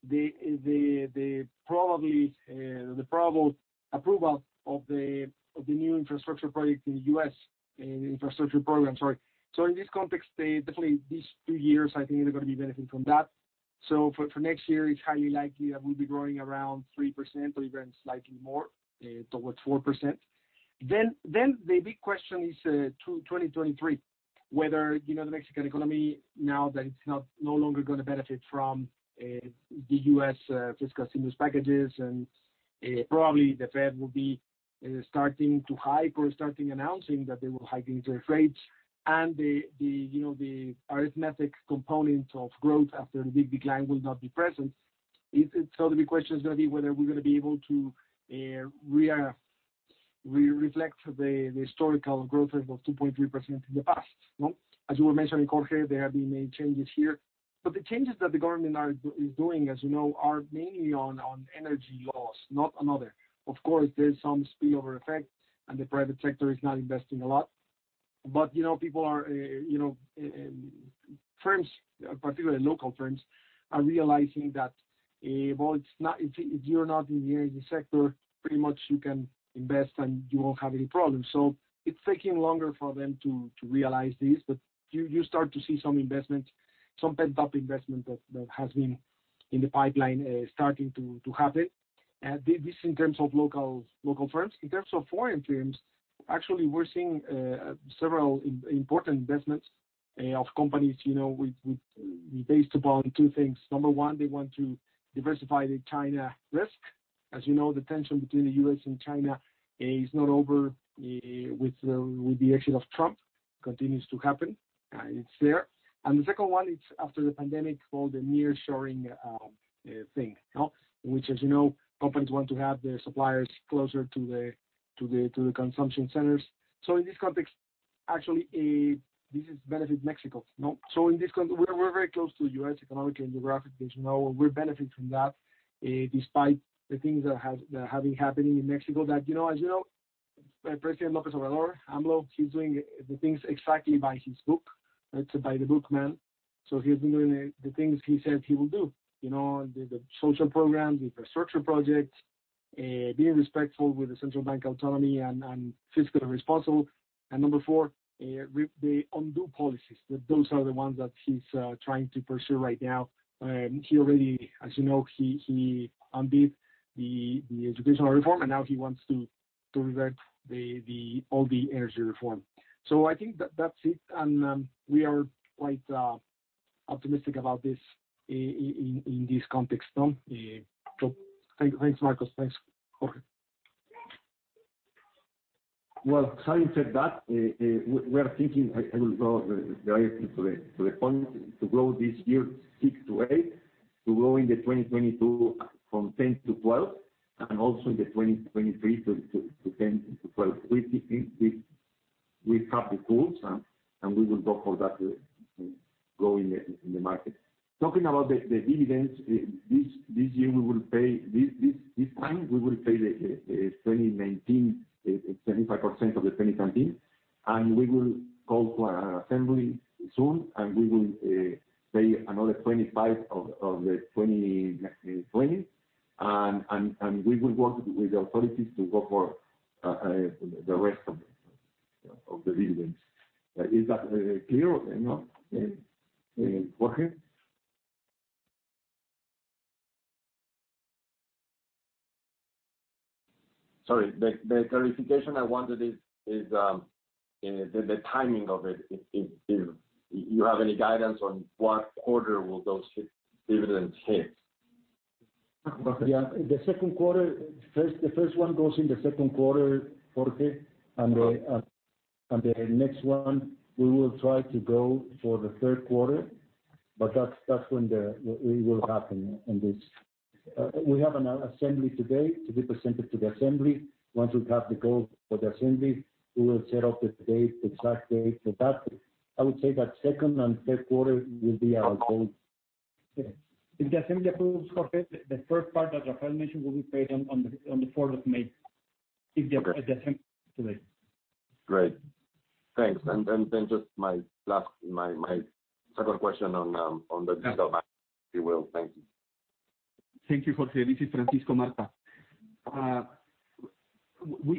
the probable approval of the new infrastructure project in the U.S. Infrastructure program, sorry. In this context, definitely these two years, I think they're going to be benefiting from that. For next year, it's highly likely that we'll be growing around 3%, or even slightly more, towards 4%. The big question is to 2023, whether the Mexican economy, now that it's no longer going to benefit from the U.S. fiscal stimulus packages and probably the Fed will be starting to hike or starting announcing that they will hike interest rates, and the arithmetic component of growth after the big decline will not be present. The big question is going to be whether we're going to be able to reflect the historical growth rate of 2.3% in the past. As you were mentioning, Jorge, there have been many changes here. The changes that the government is doing, as you know, are mainly on energy laws, not another. Of course, there's some spillover effect, and the private sector is not investing a lot. People and firms, particularly local firms, are realizing that if you're not in the energy sector, pretty much you can invest and you won't have any problems. It's taking longer for them to realize this, but you start to see some investment, some pent-up investment that has been in the pipeline starting to happen. This in terms of local firms. In terms of foreign firms, actually, we're seeing several important investments of companies based upon two things. Number one, they want to diversify the China risk. As you know, the tension between the U.S. and China is not over with the exit of Trump. Continues to happen. It's there. The second one, it's after the pandemic, called the nearshoring thing. In which, as you know, companies want to have their suppliers closer to the consumption centers. Actually, this has benefited Mexico. In this context, we're very close to the U.S. economically and geographically, as you know. We benefit from that, despite the things that have been happening in Mexico that, as you know, President López Obrador, AMLO, he's doing the things exactly by his book. It's a by-the-book man. He's been doing the things he said he will do. The social programs, the infrastructure projects, being respectful with the central bank autonomy, and fiscal responsible. Number four, the undo policies. Those are the ones that he's trying to pursue right now. He already, as you know, he undid the educational reform, and now he wants to revert all the energy reform. I think that's it, and we are quite optimistic about this in this context. Tomas? Thanks, Marcos. Thanks. Jorge? Well, having said that, we are thinking, I will go directly to the point, to grow this year six to eight, to grow in 2022 from 10-12, and also in 2023 to 10-12. We have the tools, and we will go for that growth in the market. Talking about the dividends, this year we will pay, this time, we will pay the 2019, 75% of the 2019. We will call for an assembly soon, and we will pay another 25% of the 2020. We will work with the authorities to go for the rest of the dividends. Is that clear or no? Jorge? Sorry, the clarification I wanted is the timing of it. If you have any guidance on what quarter will those dividends hit? Yeah. The second quarter. The first one goes in the second quarter, Jorge. Okay. The next one, we will try to go for the third quarter, but that's when it will happen in this. We have an assembly today, to be presented to the assembly. Once we have the go for the assembly, we will set up the date, the exact date for that. I would say that second and third quarter will be our goal. If the assembly approves, Jorge, the first part that Rafael mentioned will be paid on the 4th of May. Okay. At the assembly today. Great. Thanks. Just my second question on the digital bank, if you will. Thank you. Thank you, Jorge. This is Francisco Marta.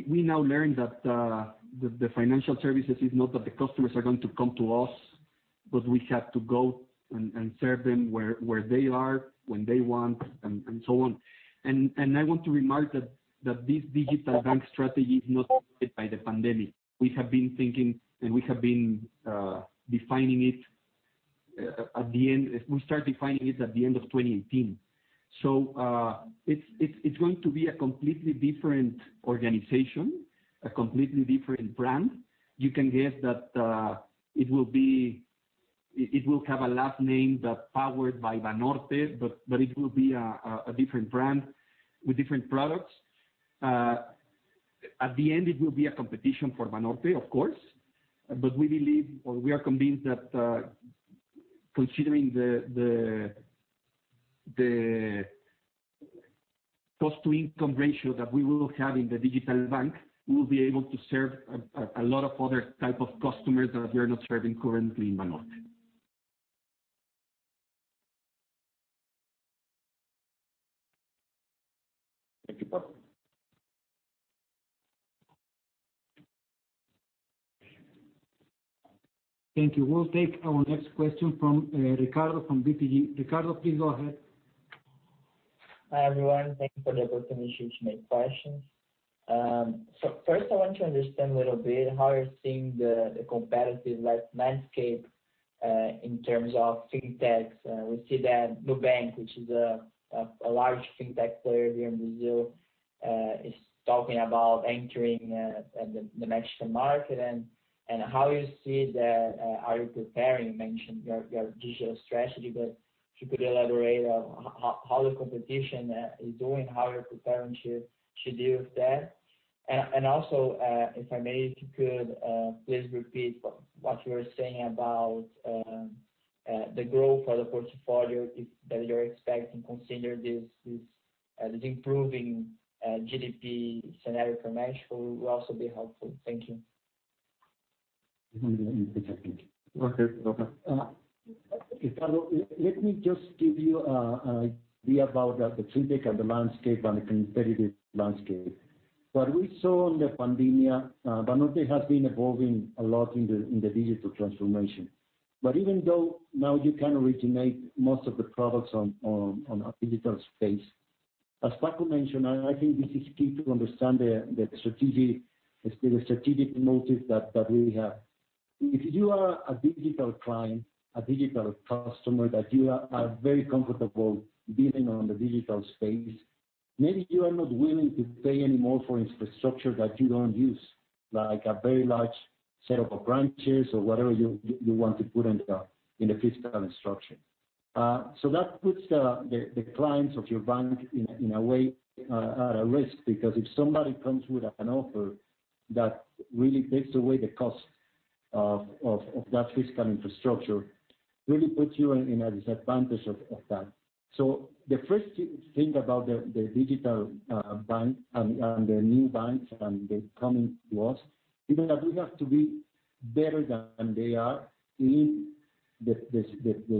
We now learn that the financial services is not that the customers are going to come to us, but we have to go and serve them where they are, when they want, and so on. I want to remark that this digital bank strategy is not affected by the pandemic. We have been thinking and we have been defining it at the end. We start defining it at the end of 2018. It's going to be a completely different organization, a completely different brand. You can guess that it will have a last name that's powered by Banorte, but it will be a different brand with different products. At the end, it will be a competition for Banorte, of course. We believe or we are convinced that considering the cost-to-income ratio that we will have in the digital bank, we will be able to serve a lot of other type of customers that we are not serving currently in Banorte. Thank you. Thank you. We'll take our next question from Ricardo from BTG. Ricardo, please go ahead. Hi, everyone. Thank you for the opportunity to make questions. First, I want to understand a little bit how you're seeing the competitive landscape in terms of Fintechs. We see that Nubank, which is a large fintech player here in Brazil, is talking about entering the Mexican market. How you see that, how you're preparing, you mentioned your digital strategy, but if you could elaborate on how the competition is doing, how you're preparing to deal with that. Also, if I may, if you could please repeat what you were saying about the growth of the portfolio that you're expecting, considering this improving GDP scenario for Mexico would also be helpful. Thank you. You want to take that one? Okay, no problem. Ricardo, let me just give you an idea about the fintech and the landscape and the competitive landscape. What we saw in the pandemic, Banorte has been evolving a lot in the digital transformation. Even though now you can originate most of the products on a digital space, as Paco mentioned, I think this is key to understand the strategic motive that we have. If you are a digital client, a digital customer, that you are very comfortable being on the digital space, maybe you are not willing to pay any more for infrastructure that you don't use, like a very large set of branches or whatever you want to put in the physical structure. That puts the clients of your bank, in a way, at a risk, because if somebody comes with an offer that really takes away the cost of that physical infrastructure really puts you in a disadvantage of that. The first thing about the digital bank and the new banks, and they're coming to us, even if we have to be better than they are in the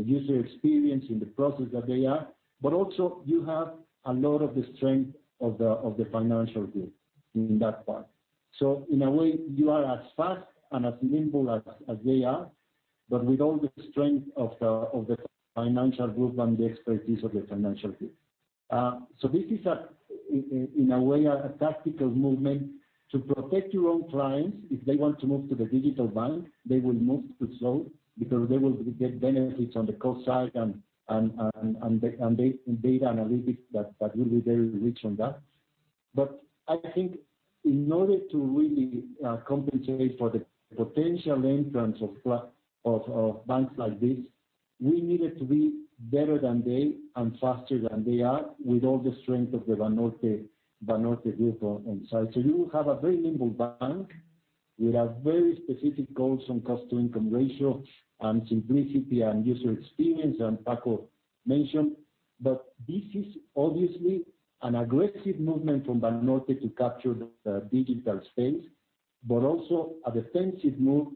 user experience, in the process than they are, but also you have a lot of the strength of the Financial Group in that part. In a way, you are as fast and as nimble as they are, but with all the strength of the Financial Group and the expertise of the Financial Group. This is, in a way, a tactical movement to protect your own clients. If they want to move to the digital bank, they will move to SOFIN, because they will get benefits on the cost side and data analytics that will be very rich on that. I think in order to really compensate for the potential entrance of banks like this, we needed to be better than they, and faster than they are, with all the strength of the Banorte group on site. You have a very nimble bank with very specific goals on cost-to-income ratio, and simplicity, and user experience, and Paco mentioned. This is obviously an aggressive movement from Banorte to capture the digital space, but also a defensive move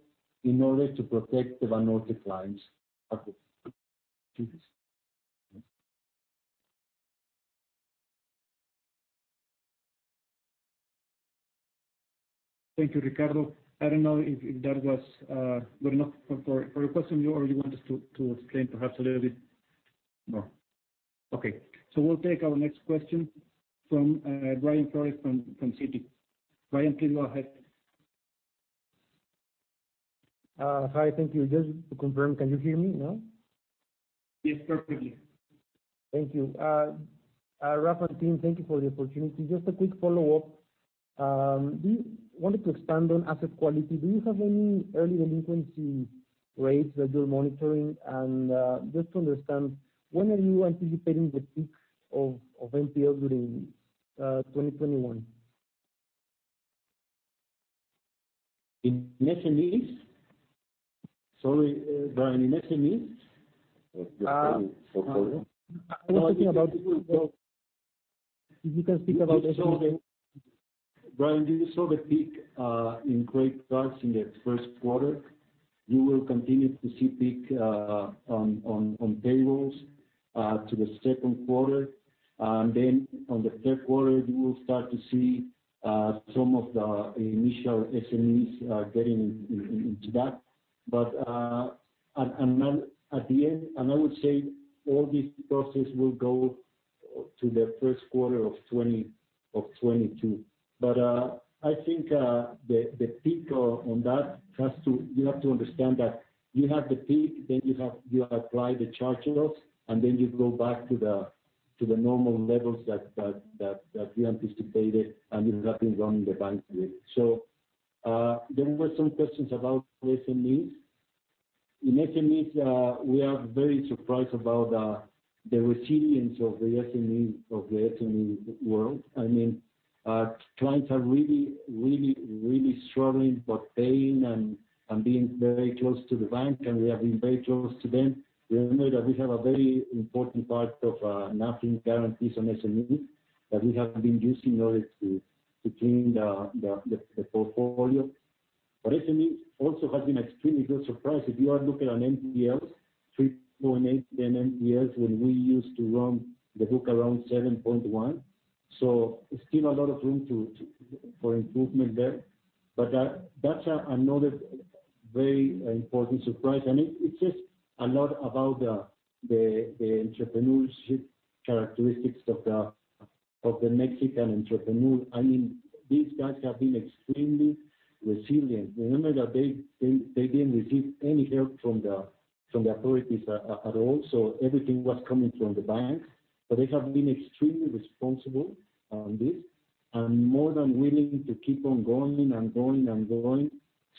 in order to protect the Banorte clients. Thank you, Ricardo. I don't know if that was good enough for your question, or you want us to explain perhaps a little bit more? Okay. We'll take our next question from Brian Foran from Citi. Brian, please go ahead. Hi. Thank you. Just to confirm, can you hear me now? Yes, perfectly. Thank you. Rafa and team, thank you for the opportunity. Just a quick follow-up. I wanted to expand on asset quality. Do you have any early delinquency rates that you're monitoring? Just to understand, when are you anticipating the peaks of NPL during 2021? In SMEs? Sorry, Brian, in SMEs? Or just in portfolio? If you can speak about SMEs. Brian, you saw the peak in credit cards in the first quarter. You will continue to see peak on payroll loans to the second quarter. On the third quarter, you will start to see some of the initial SMEs getting into that. At the end, I would say all this process will go to the first quarter of 2022. I think the peak on that, you have to understand that you have the peak, then you apply the charge-offs, and then you go back to the normal levels that we anticipated, and it has been running Banorte. There were some questions about SMEs. In SMEs, we are very surprised about the resilience of the SME world. Clients are really struggling, but paying and being very close to Banorte, and we have been very close to them. Remember that we have a very important part of NAFIN guarantees on SMEs, that we have been using in order to clean the portfolio. SMEs also has been extremely good surprise. If you are looking at NPLs, 3.8% NPLs, when we used to run the book around 7.1%. Still a lot of room for improvement there. That's another very important surprise. It says a lot about the entrepreneurship characteristics of the Mexican entrepreneur. These guys have been extremely resilient. Remember that they didn't receive any help from the authorities at all. Everything was coming from the bank. They have been extremely responsible on this, and more than willing to keep on going and going and going.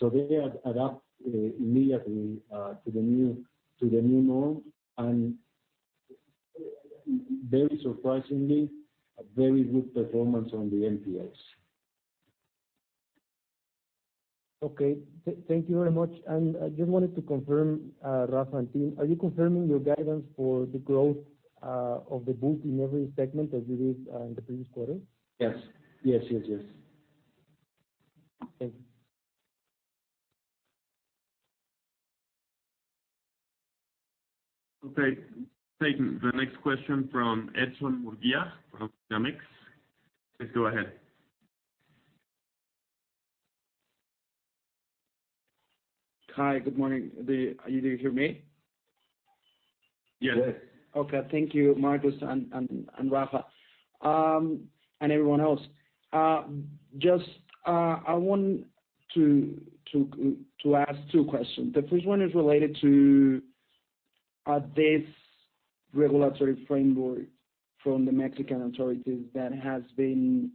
They adapt immediately to the new norm, and very surprisingly, a very good performance on the NPLs. Okay. Thank you very much. I just wanted to confirm, Rafa and team, are you confirming your guidance for the growth of the book in every segment as you did in the previous quarter? Yes. Okay. Taking the next question from Edson Murguia from Dinamics. Please go ahead. Hi. Good morning. Do you hear me? Yes. Thank you, Marcos and Rafa, and everyone else. Just I want to ask two questions. The first one is related to this regulatory framework from the Mexican authorities that has been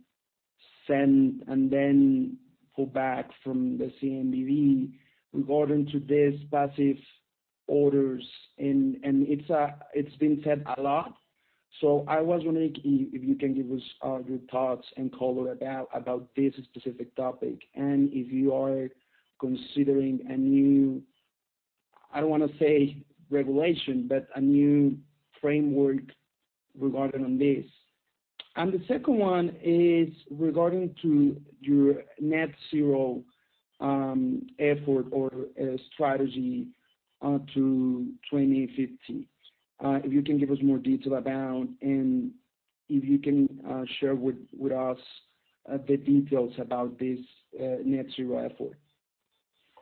sent and then pulled back from the CNBV regarding to this passive orders, and it's been said a lot. I was wondering if you can give us your thoughts and color about this specific topic, and if you are considering a new, I don't want to say regulation, but a new framework regarding this. The second one is regarding to your net zero effort or strategy to 2050. If you can give us more detail about and if you can share with us the details about this net zero effort.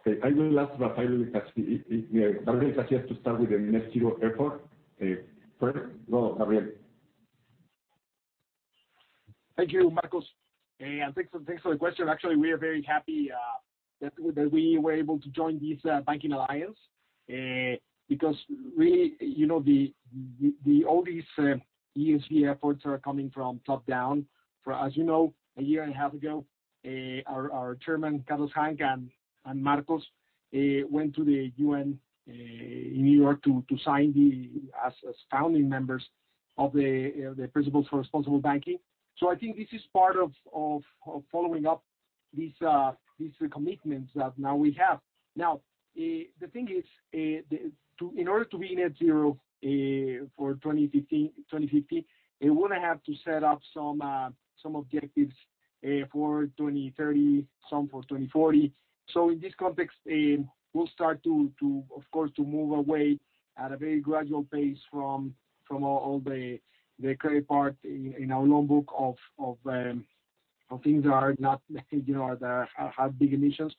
Okay. I will ask Gabriel Casillas to start with the net zero effort first. Go, Rafael. Thank you, Marcos. Thanks for the question. Actually, we are very happy that we were able to join this banking alliance. Really, all these ESG efforts are coming from top down. As you know, a year and a half ago, our chairman, Carlos Hank, and Marcos, went to the UN in New York to sign as founding members of the Principles for Responsible Banking. I think this is part of following up these commitments that now we have. The thing is, in order to be net zero for 2050, we would have to set up some objectives for 2030, some for 2040. In this context, we'll start to, of course, to move away at a very gradual pace from all the credit part in our loan book of things that have big emissions.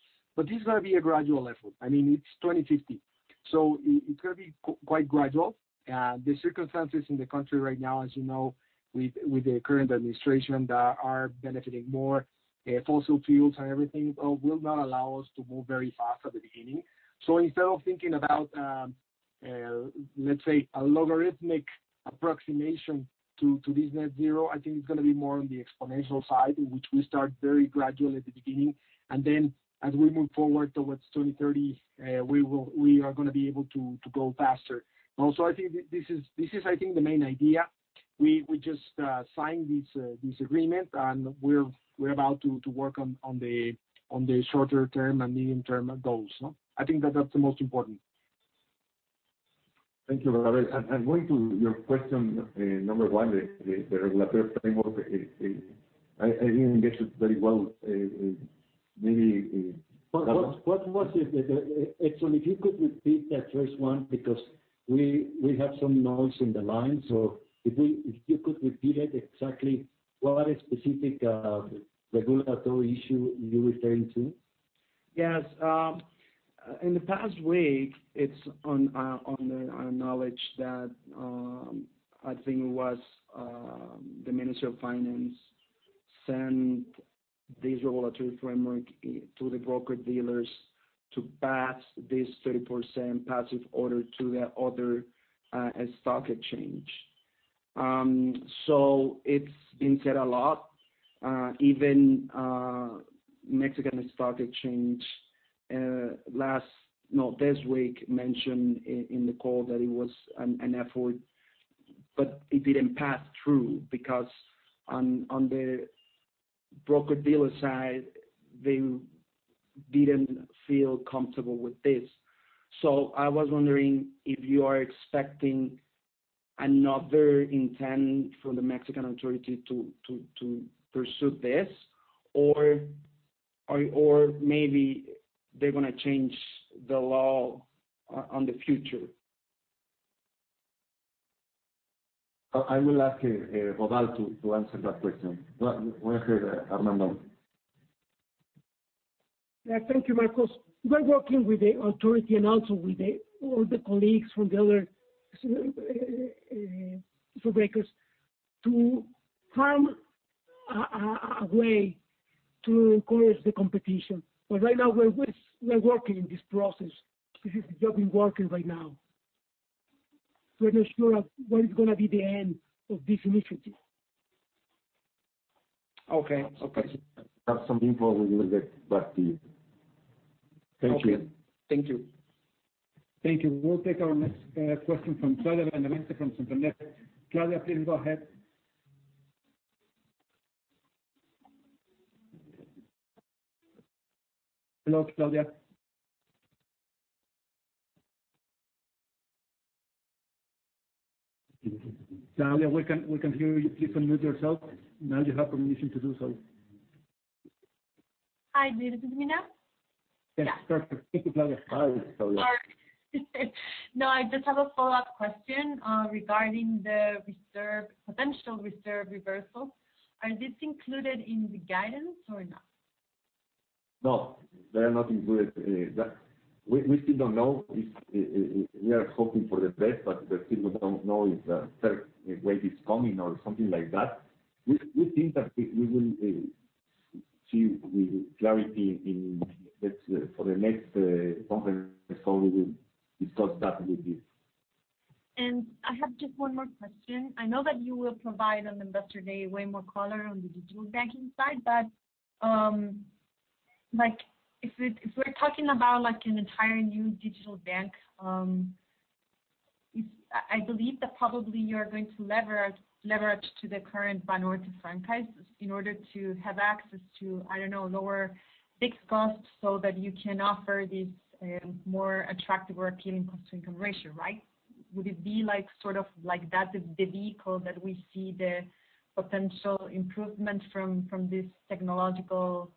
This is going to be a gradual effort. It's 2050. It's going to be quite gradual. The circumstances in the country right now, as you know, with the current administration that are benefiting more fossil fuels and everything, will not allow us to move very fast at the beginning. Instead of thinking about, let's say, a logarithmic approximation to this net zero, I think it's going to be more on the exponential side, in which we start very gradual at the beginning. As we move forward towards 2030, we are going to be able to go faster. I think this is the main idea. We just signed this agreement, and we're about to work on the shorter-term and medium-term goals. I think that that's the most important. Thank you, Rafael. Going to your question, number one, the regulatory framework, I didn't get it very well. What was it? Actually, if you could repeat that first one, because we have some noise in the line. If you could repeat it exactly, what specific regulatory issue you referring to? Yes. In the past week, it's on our knowledge that, I think it was the Minister of Finance sent this regulatory framework to the broker-dealers to pass this 30% passive order to the other stock exchange. It's been said a lot. Even Mexican Stock Exchange this week mentioned in the call that it was an effort, but it didn't pass through because on the broker-dealer side, they didn't feel comfortable with this. I was wondering if you are expecting another intent from the Mexican authority to pursue this, or maybe they're going to change the law on the future? I will ask Rodal to answer that question. Go ahead, Armando. Thank you, Marcos. We're working with the authority and also with all the colleagues from the other brokerages to find a way to encourage the competition. Right now, we are working in this process. This is the job we're working right now. We're not sure when it's going to be the end of this initiative. Okay. Have some info a little bit, but thank you. Okay. Thank you. Thank you. We'll take our next question from Claudia Valencia from Santander. Claudia, please go ahead. Hello, Claudia? Claudia, we can hear you. Please unmute yourself. Now you have permission to do so. Hi. This is me now? Yes. Perfect. Thank you, Claudia. Hi, Claudia. No, I just have a follow-up question regarding the potential reserve reversal. Are this included in the guidance or not? They are not included. We still don't know. We are hoping for the best, we still don't know if the third wave is coming or something like that. We think that we will see with clarity for the next conference call, we will discuss that with you. I have just one more question. I know that you will provide on investor day way more color on the digital banking side. If we're talking about an entire new digital bank, I believe that probably you are going to leverage to the current Banorte franchise in order to have access to, I don't know, lower fixed costs so that you can offer this more attractive or appealing cost-income ratio, right? Would it be that, the vehicle that we see the potential improvement from this technological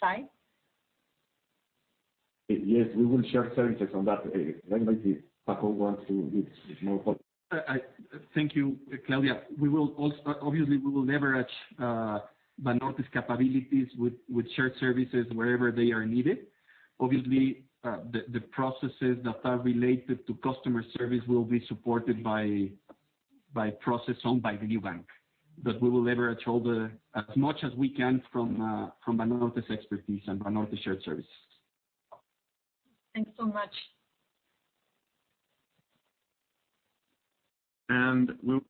side? Yes, we will share services on that. Thank you, Claudia. Obviously, we will leverage Banorte's capabilities with shared services wherever they are needed. The processes that are related to customer service will be supported by process owned by the Nubank. We will leverage as much as we can from Banorte's expertise and Banorte's shared services. Thanks so much. We'll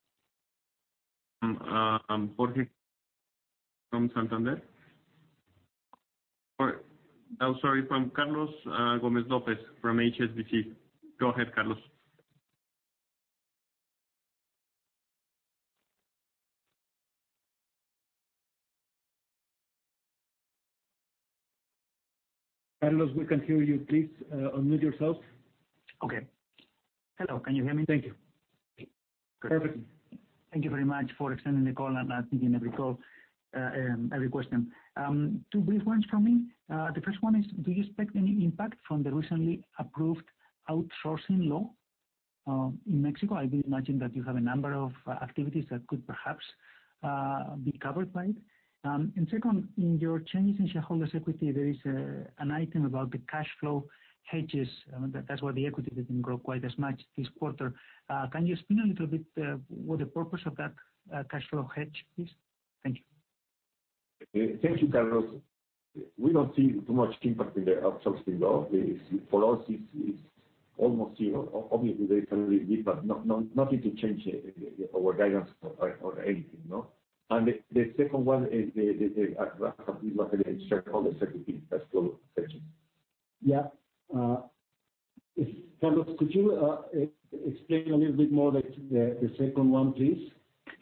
Jorge from Santander. Sorry, from Carlos Gomez-Lopez from HSBC. Go ahead, Carlos. Carlos, we can't hear you. Please unmute yourself. Okay. Hello, can you hear me? Thank you. Perfect. Thank you very much for extending the call and taking every question. Two brief ones from me. The 1st one is, do you expect any impact from the recently approved outsourcing law in Mexico? I would imagine that you have a number of activities that could perhaps be covered by it. 2nd, in your changes in shareholders' equity, there is an item about the cash flow hedges. That's why the equity didn't grow quite as much this quarter. Can you explain a little bit what the purpose of that cash flow hedge is? Thank you. Thank you, Carlos. We don't see too much impact in the outsourcing law. For us, it's almost zero. Obviously, there is a little bit, but nothing to change our guidance or anything. The second one is the shareholders' equity, cash flow hedging. Yeah. Carlos, could you explain a little bit more the second one, please?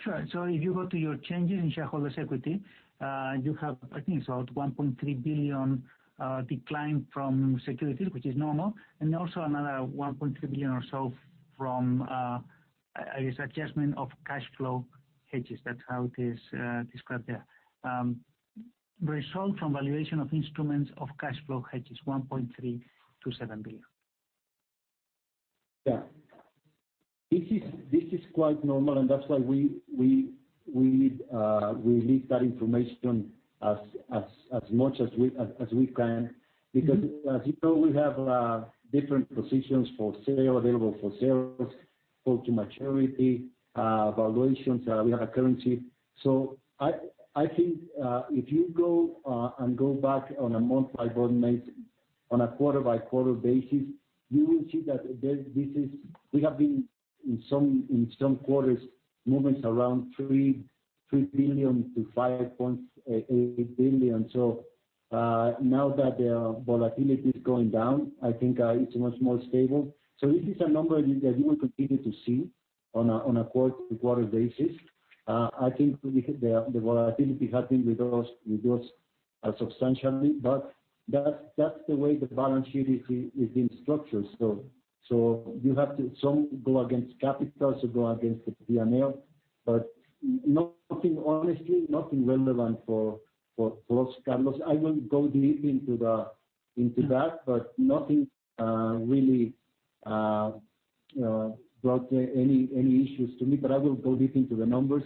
Sure. If you go to your changes in shareholders' equity, you have, I think it's about 1.3 billion decline from securities, which is normal, and also another 1.3 billion or so from, I guess, adjustment of cash flow hedges. That's how it is described there. Result from valuation of instruments of cash flow hedges, 1.37 billion. Yeah. This is quite normal, and that's why we leave that information as much as we can. As you know, we have different positions for sale, available for sales, hold to maturity, valuations, we have a currency. I think if you go and go back on a month by month basis, on a quarter by quarter basis, you will see that we have been, in some quarters, moments around 3 billion-5.8 billion. Now that the volatility is going down, I think it's much more stable. This is a number that you will continue to see on a quarter-to-quarter basis. I think the volatility has been reduced substantially, but that's the way the balance sheet is being structured. You have some go against capital, some go against the P&L. Honestly, nothing relevant for us, Carlos. I will go deep into that. Nothing really brought any issues to me. I will go deep into the numbers.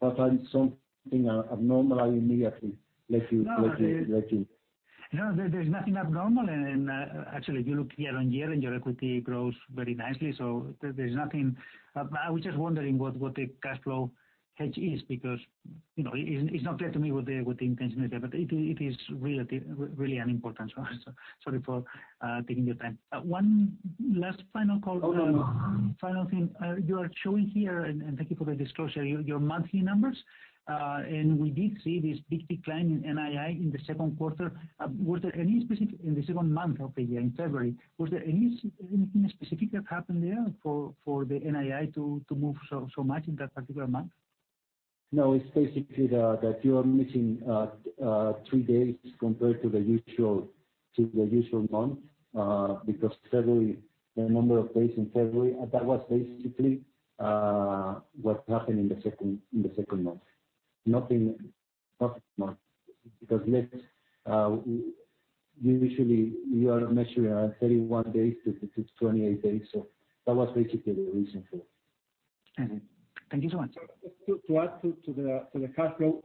If there is something abnormal, I immediately let you know. No, there's nothing abnormal. Actually, if you look year on year and your equity grows very nicely. There's nothing. I was just wondering what the cash flow hedge is because, it's not clear to me what the intention is there, but it is really unimportant. Sorry for taking your time. One last final call. Oh, no. Final thing. You are showing here, and thank you for the disclosure, your monthly numbers. We did see this big decline in NII in the second quarter. In the second month of the year, in February, was there anything specific that happened there for the NII to move so much in that particular month? It's basically that you are missing three days compared to the usual month, because the number of days in February, that was basically what happened in the second month. Nothing much. Usually you are measuring 31 days-28 days, so that was basically the reason for it. I see. Thank you so much. To add to the cash flow,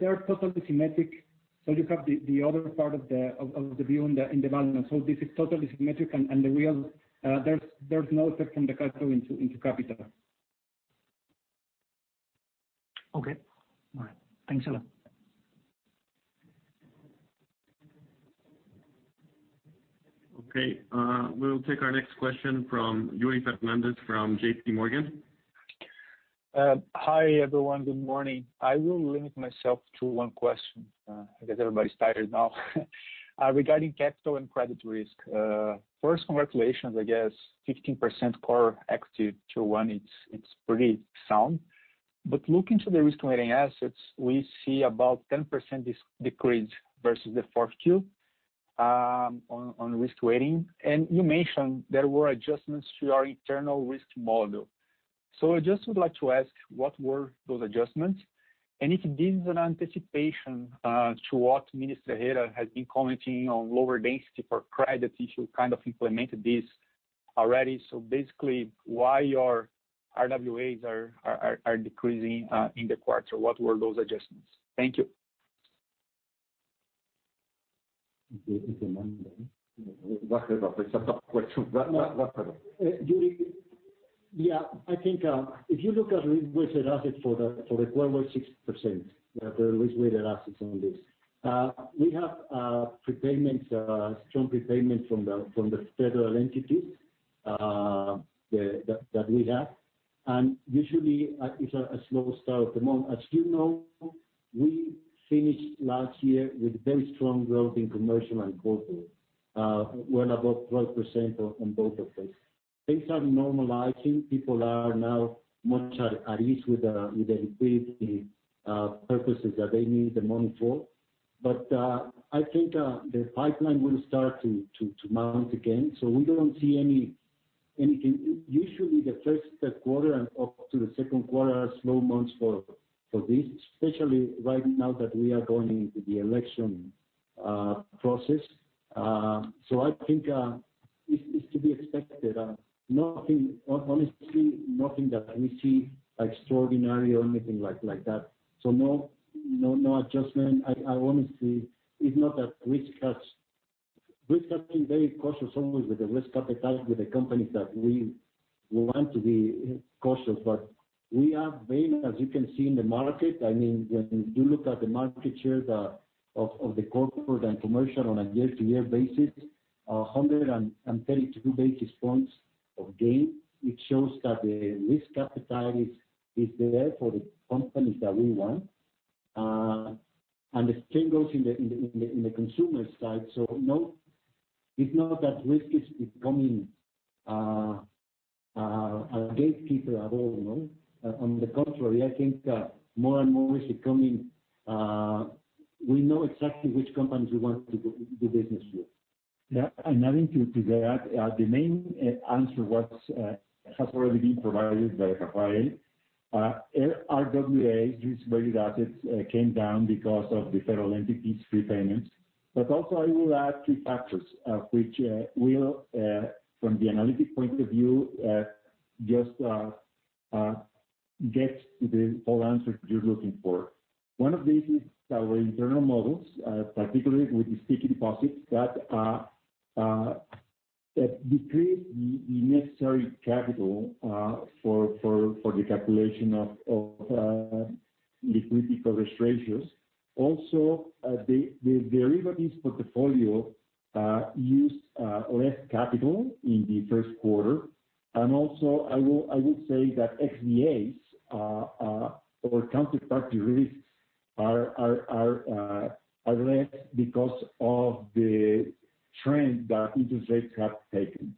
they are totally symmetric, so you have the other part of the view in the balance. This is totally symmetric, and there's no effect from the cash flow into capital. Okay. All right. Thanks a lot. Okay. We will take our next question from Yuri Fernandes from JPMorgan. Hi, everyone. Good morning. I will limit myself to one question. I guess everybody's tired now. Regarding capital and credit risk, first, congratulations. I guess 15% Core Tier 1, it's pretty sound. Looking to the risk-weighted assets, we see about 10% decrease versus the 4Q on risk-weighted. You mentioned there were adjustments to your internal risk model. I just would like to ask, what were those adjustments, and if this is an anticipation to what Minister Herrera has been commenting on lower density for credit issuance, kind of implemented this already. Basically, why your RWAs are decreasing in the quarter? What were those adjustments? Thank you. It's a tough question. Rafael. Yuri, yeah, I think if you look at risk-weighted assets for the quarter, 6%, the risk-weighted assets on this. We have strong prepayment from the federal entities that we have. Usually, it's a slow start of the month. As you know, we finished last year with very strong growth in commercial and corporate. We're above 12% on both of those. Things are normalizing. People are now much at ease with the liquidity purposes that they need the money for. I think the pipeline will start to mount again. We don't see anything. Usually, the first quarter and up to the second quarter are slow months for this, especially right now that we are going into the election process. I think it's to be expected. Honestly, nothing that we see extraordinary or anything like that. No adjustment. We've been very cautious always with the risk appetite with the companies that we want to be cautious. We have been, as you can see in the market, when you look at the market share of the corporate and commercial on a year-to-year basis, 132 basis points of gain. It shows that the risk appetite is there for the companies that we want. The same goes in the consumer side. No, it's not that risk is becoming a gatekeeper at all. No. On the contrary, I think more and more risk is coming. We know exactly which companies we want to do business with. Yeah. Adding to that, the main answer has already been provided by Rafael. RWA, risk-weighted assets, came down because of the federal entities prepayments. Also, I will add three factors which will from the analytic point of view just get to the whole answer you're looking for. One of these is our internal models, particularly with the sticky deposits that decrease the necessary capital for the calculation of liquidity coverage ratios. Also, the derivatives portfolio used less capital in the first quarter. Also, I will say that CVAs or counterparty risks are less because of the trend that interest rates have taken.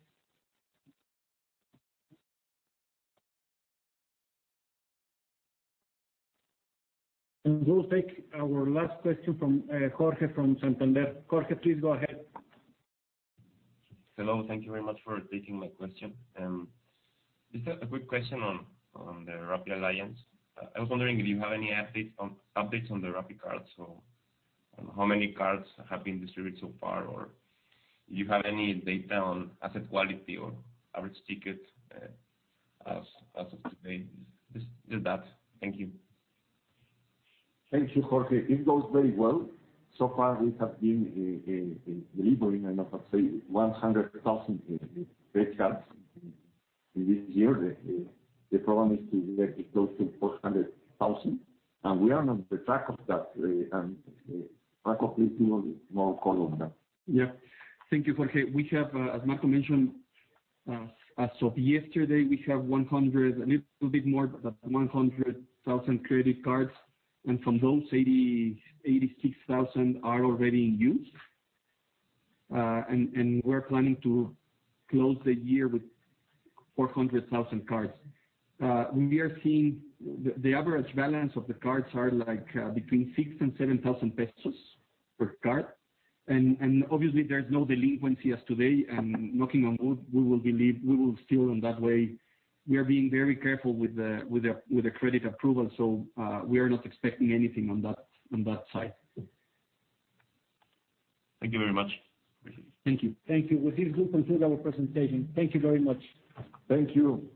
We'll take our last question from Jorge from Santander. Jorge, please go ahead. Hello. Thank you very much for taking my question. Just a quick question on the Rappi alliance. I was wondering if you have any updates on the Rappi card. How many cards have been distributed so far? Do you have any data on asset quality or average ticket as of today? Just that. Thank you. Thank you, Jorge. It goes very well. Far, we have been delivering, I don't know, say 100,000 credit cards in this year. The problem is to get close to 400,000. We are on the track of that, and the track of issuing more cards than that. Thank you, Jorge. As Marcos mentioned, as of yesterday, we have 100,000 credit cards. From those, 86,000 are already in use. We're planning to close the year with 400,000 cards. We are seeing the average balance of the cards are between 6,000-7,000 pesos per card. Obviously, there's no delinquency as today, and knocking on wood, we will stay on that way. We are being very careful with the credit approval, so we are not expecting anything on that side. Thank you very much. Thank you. Thank you. With this, we conclude our presentation. Thank you very much. Thank you.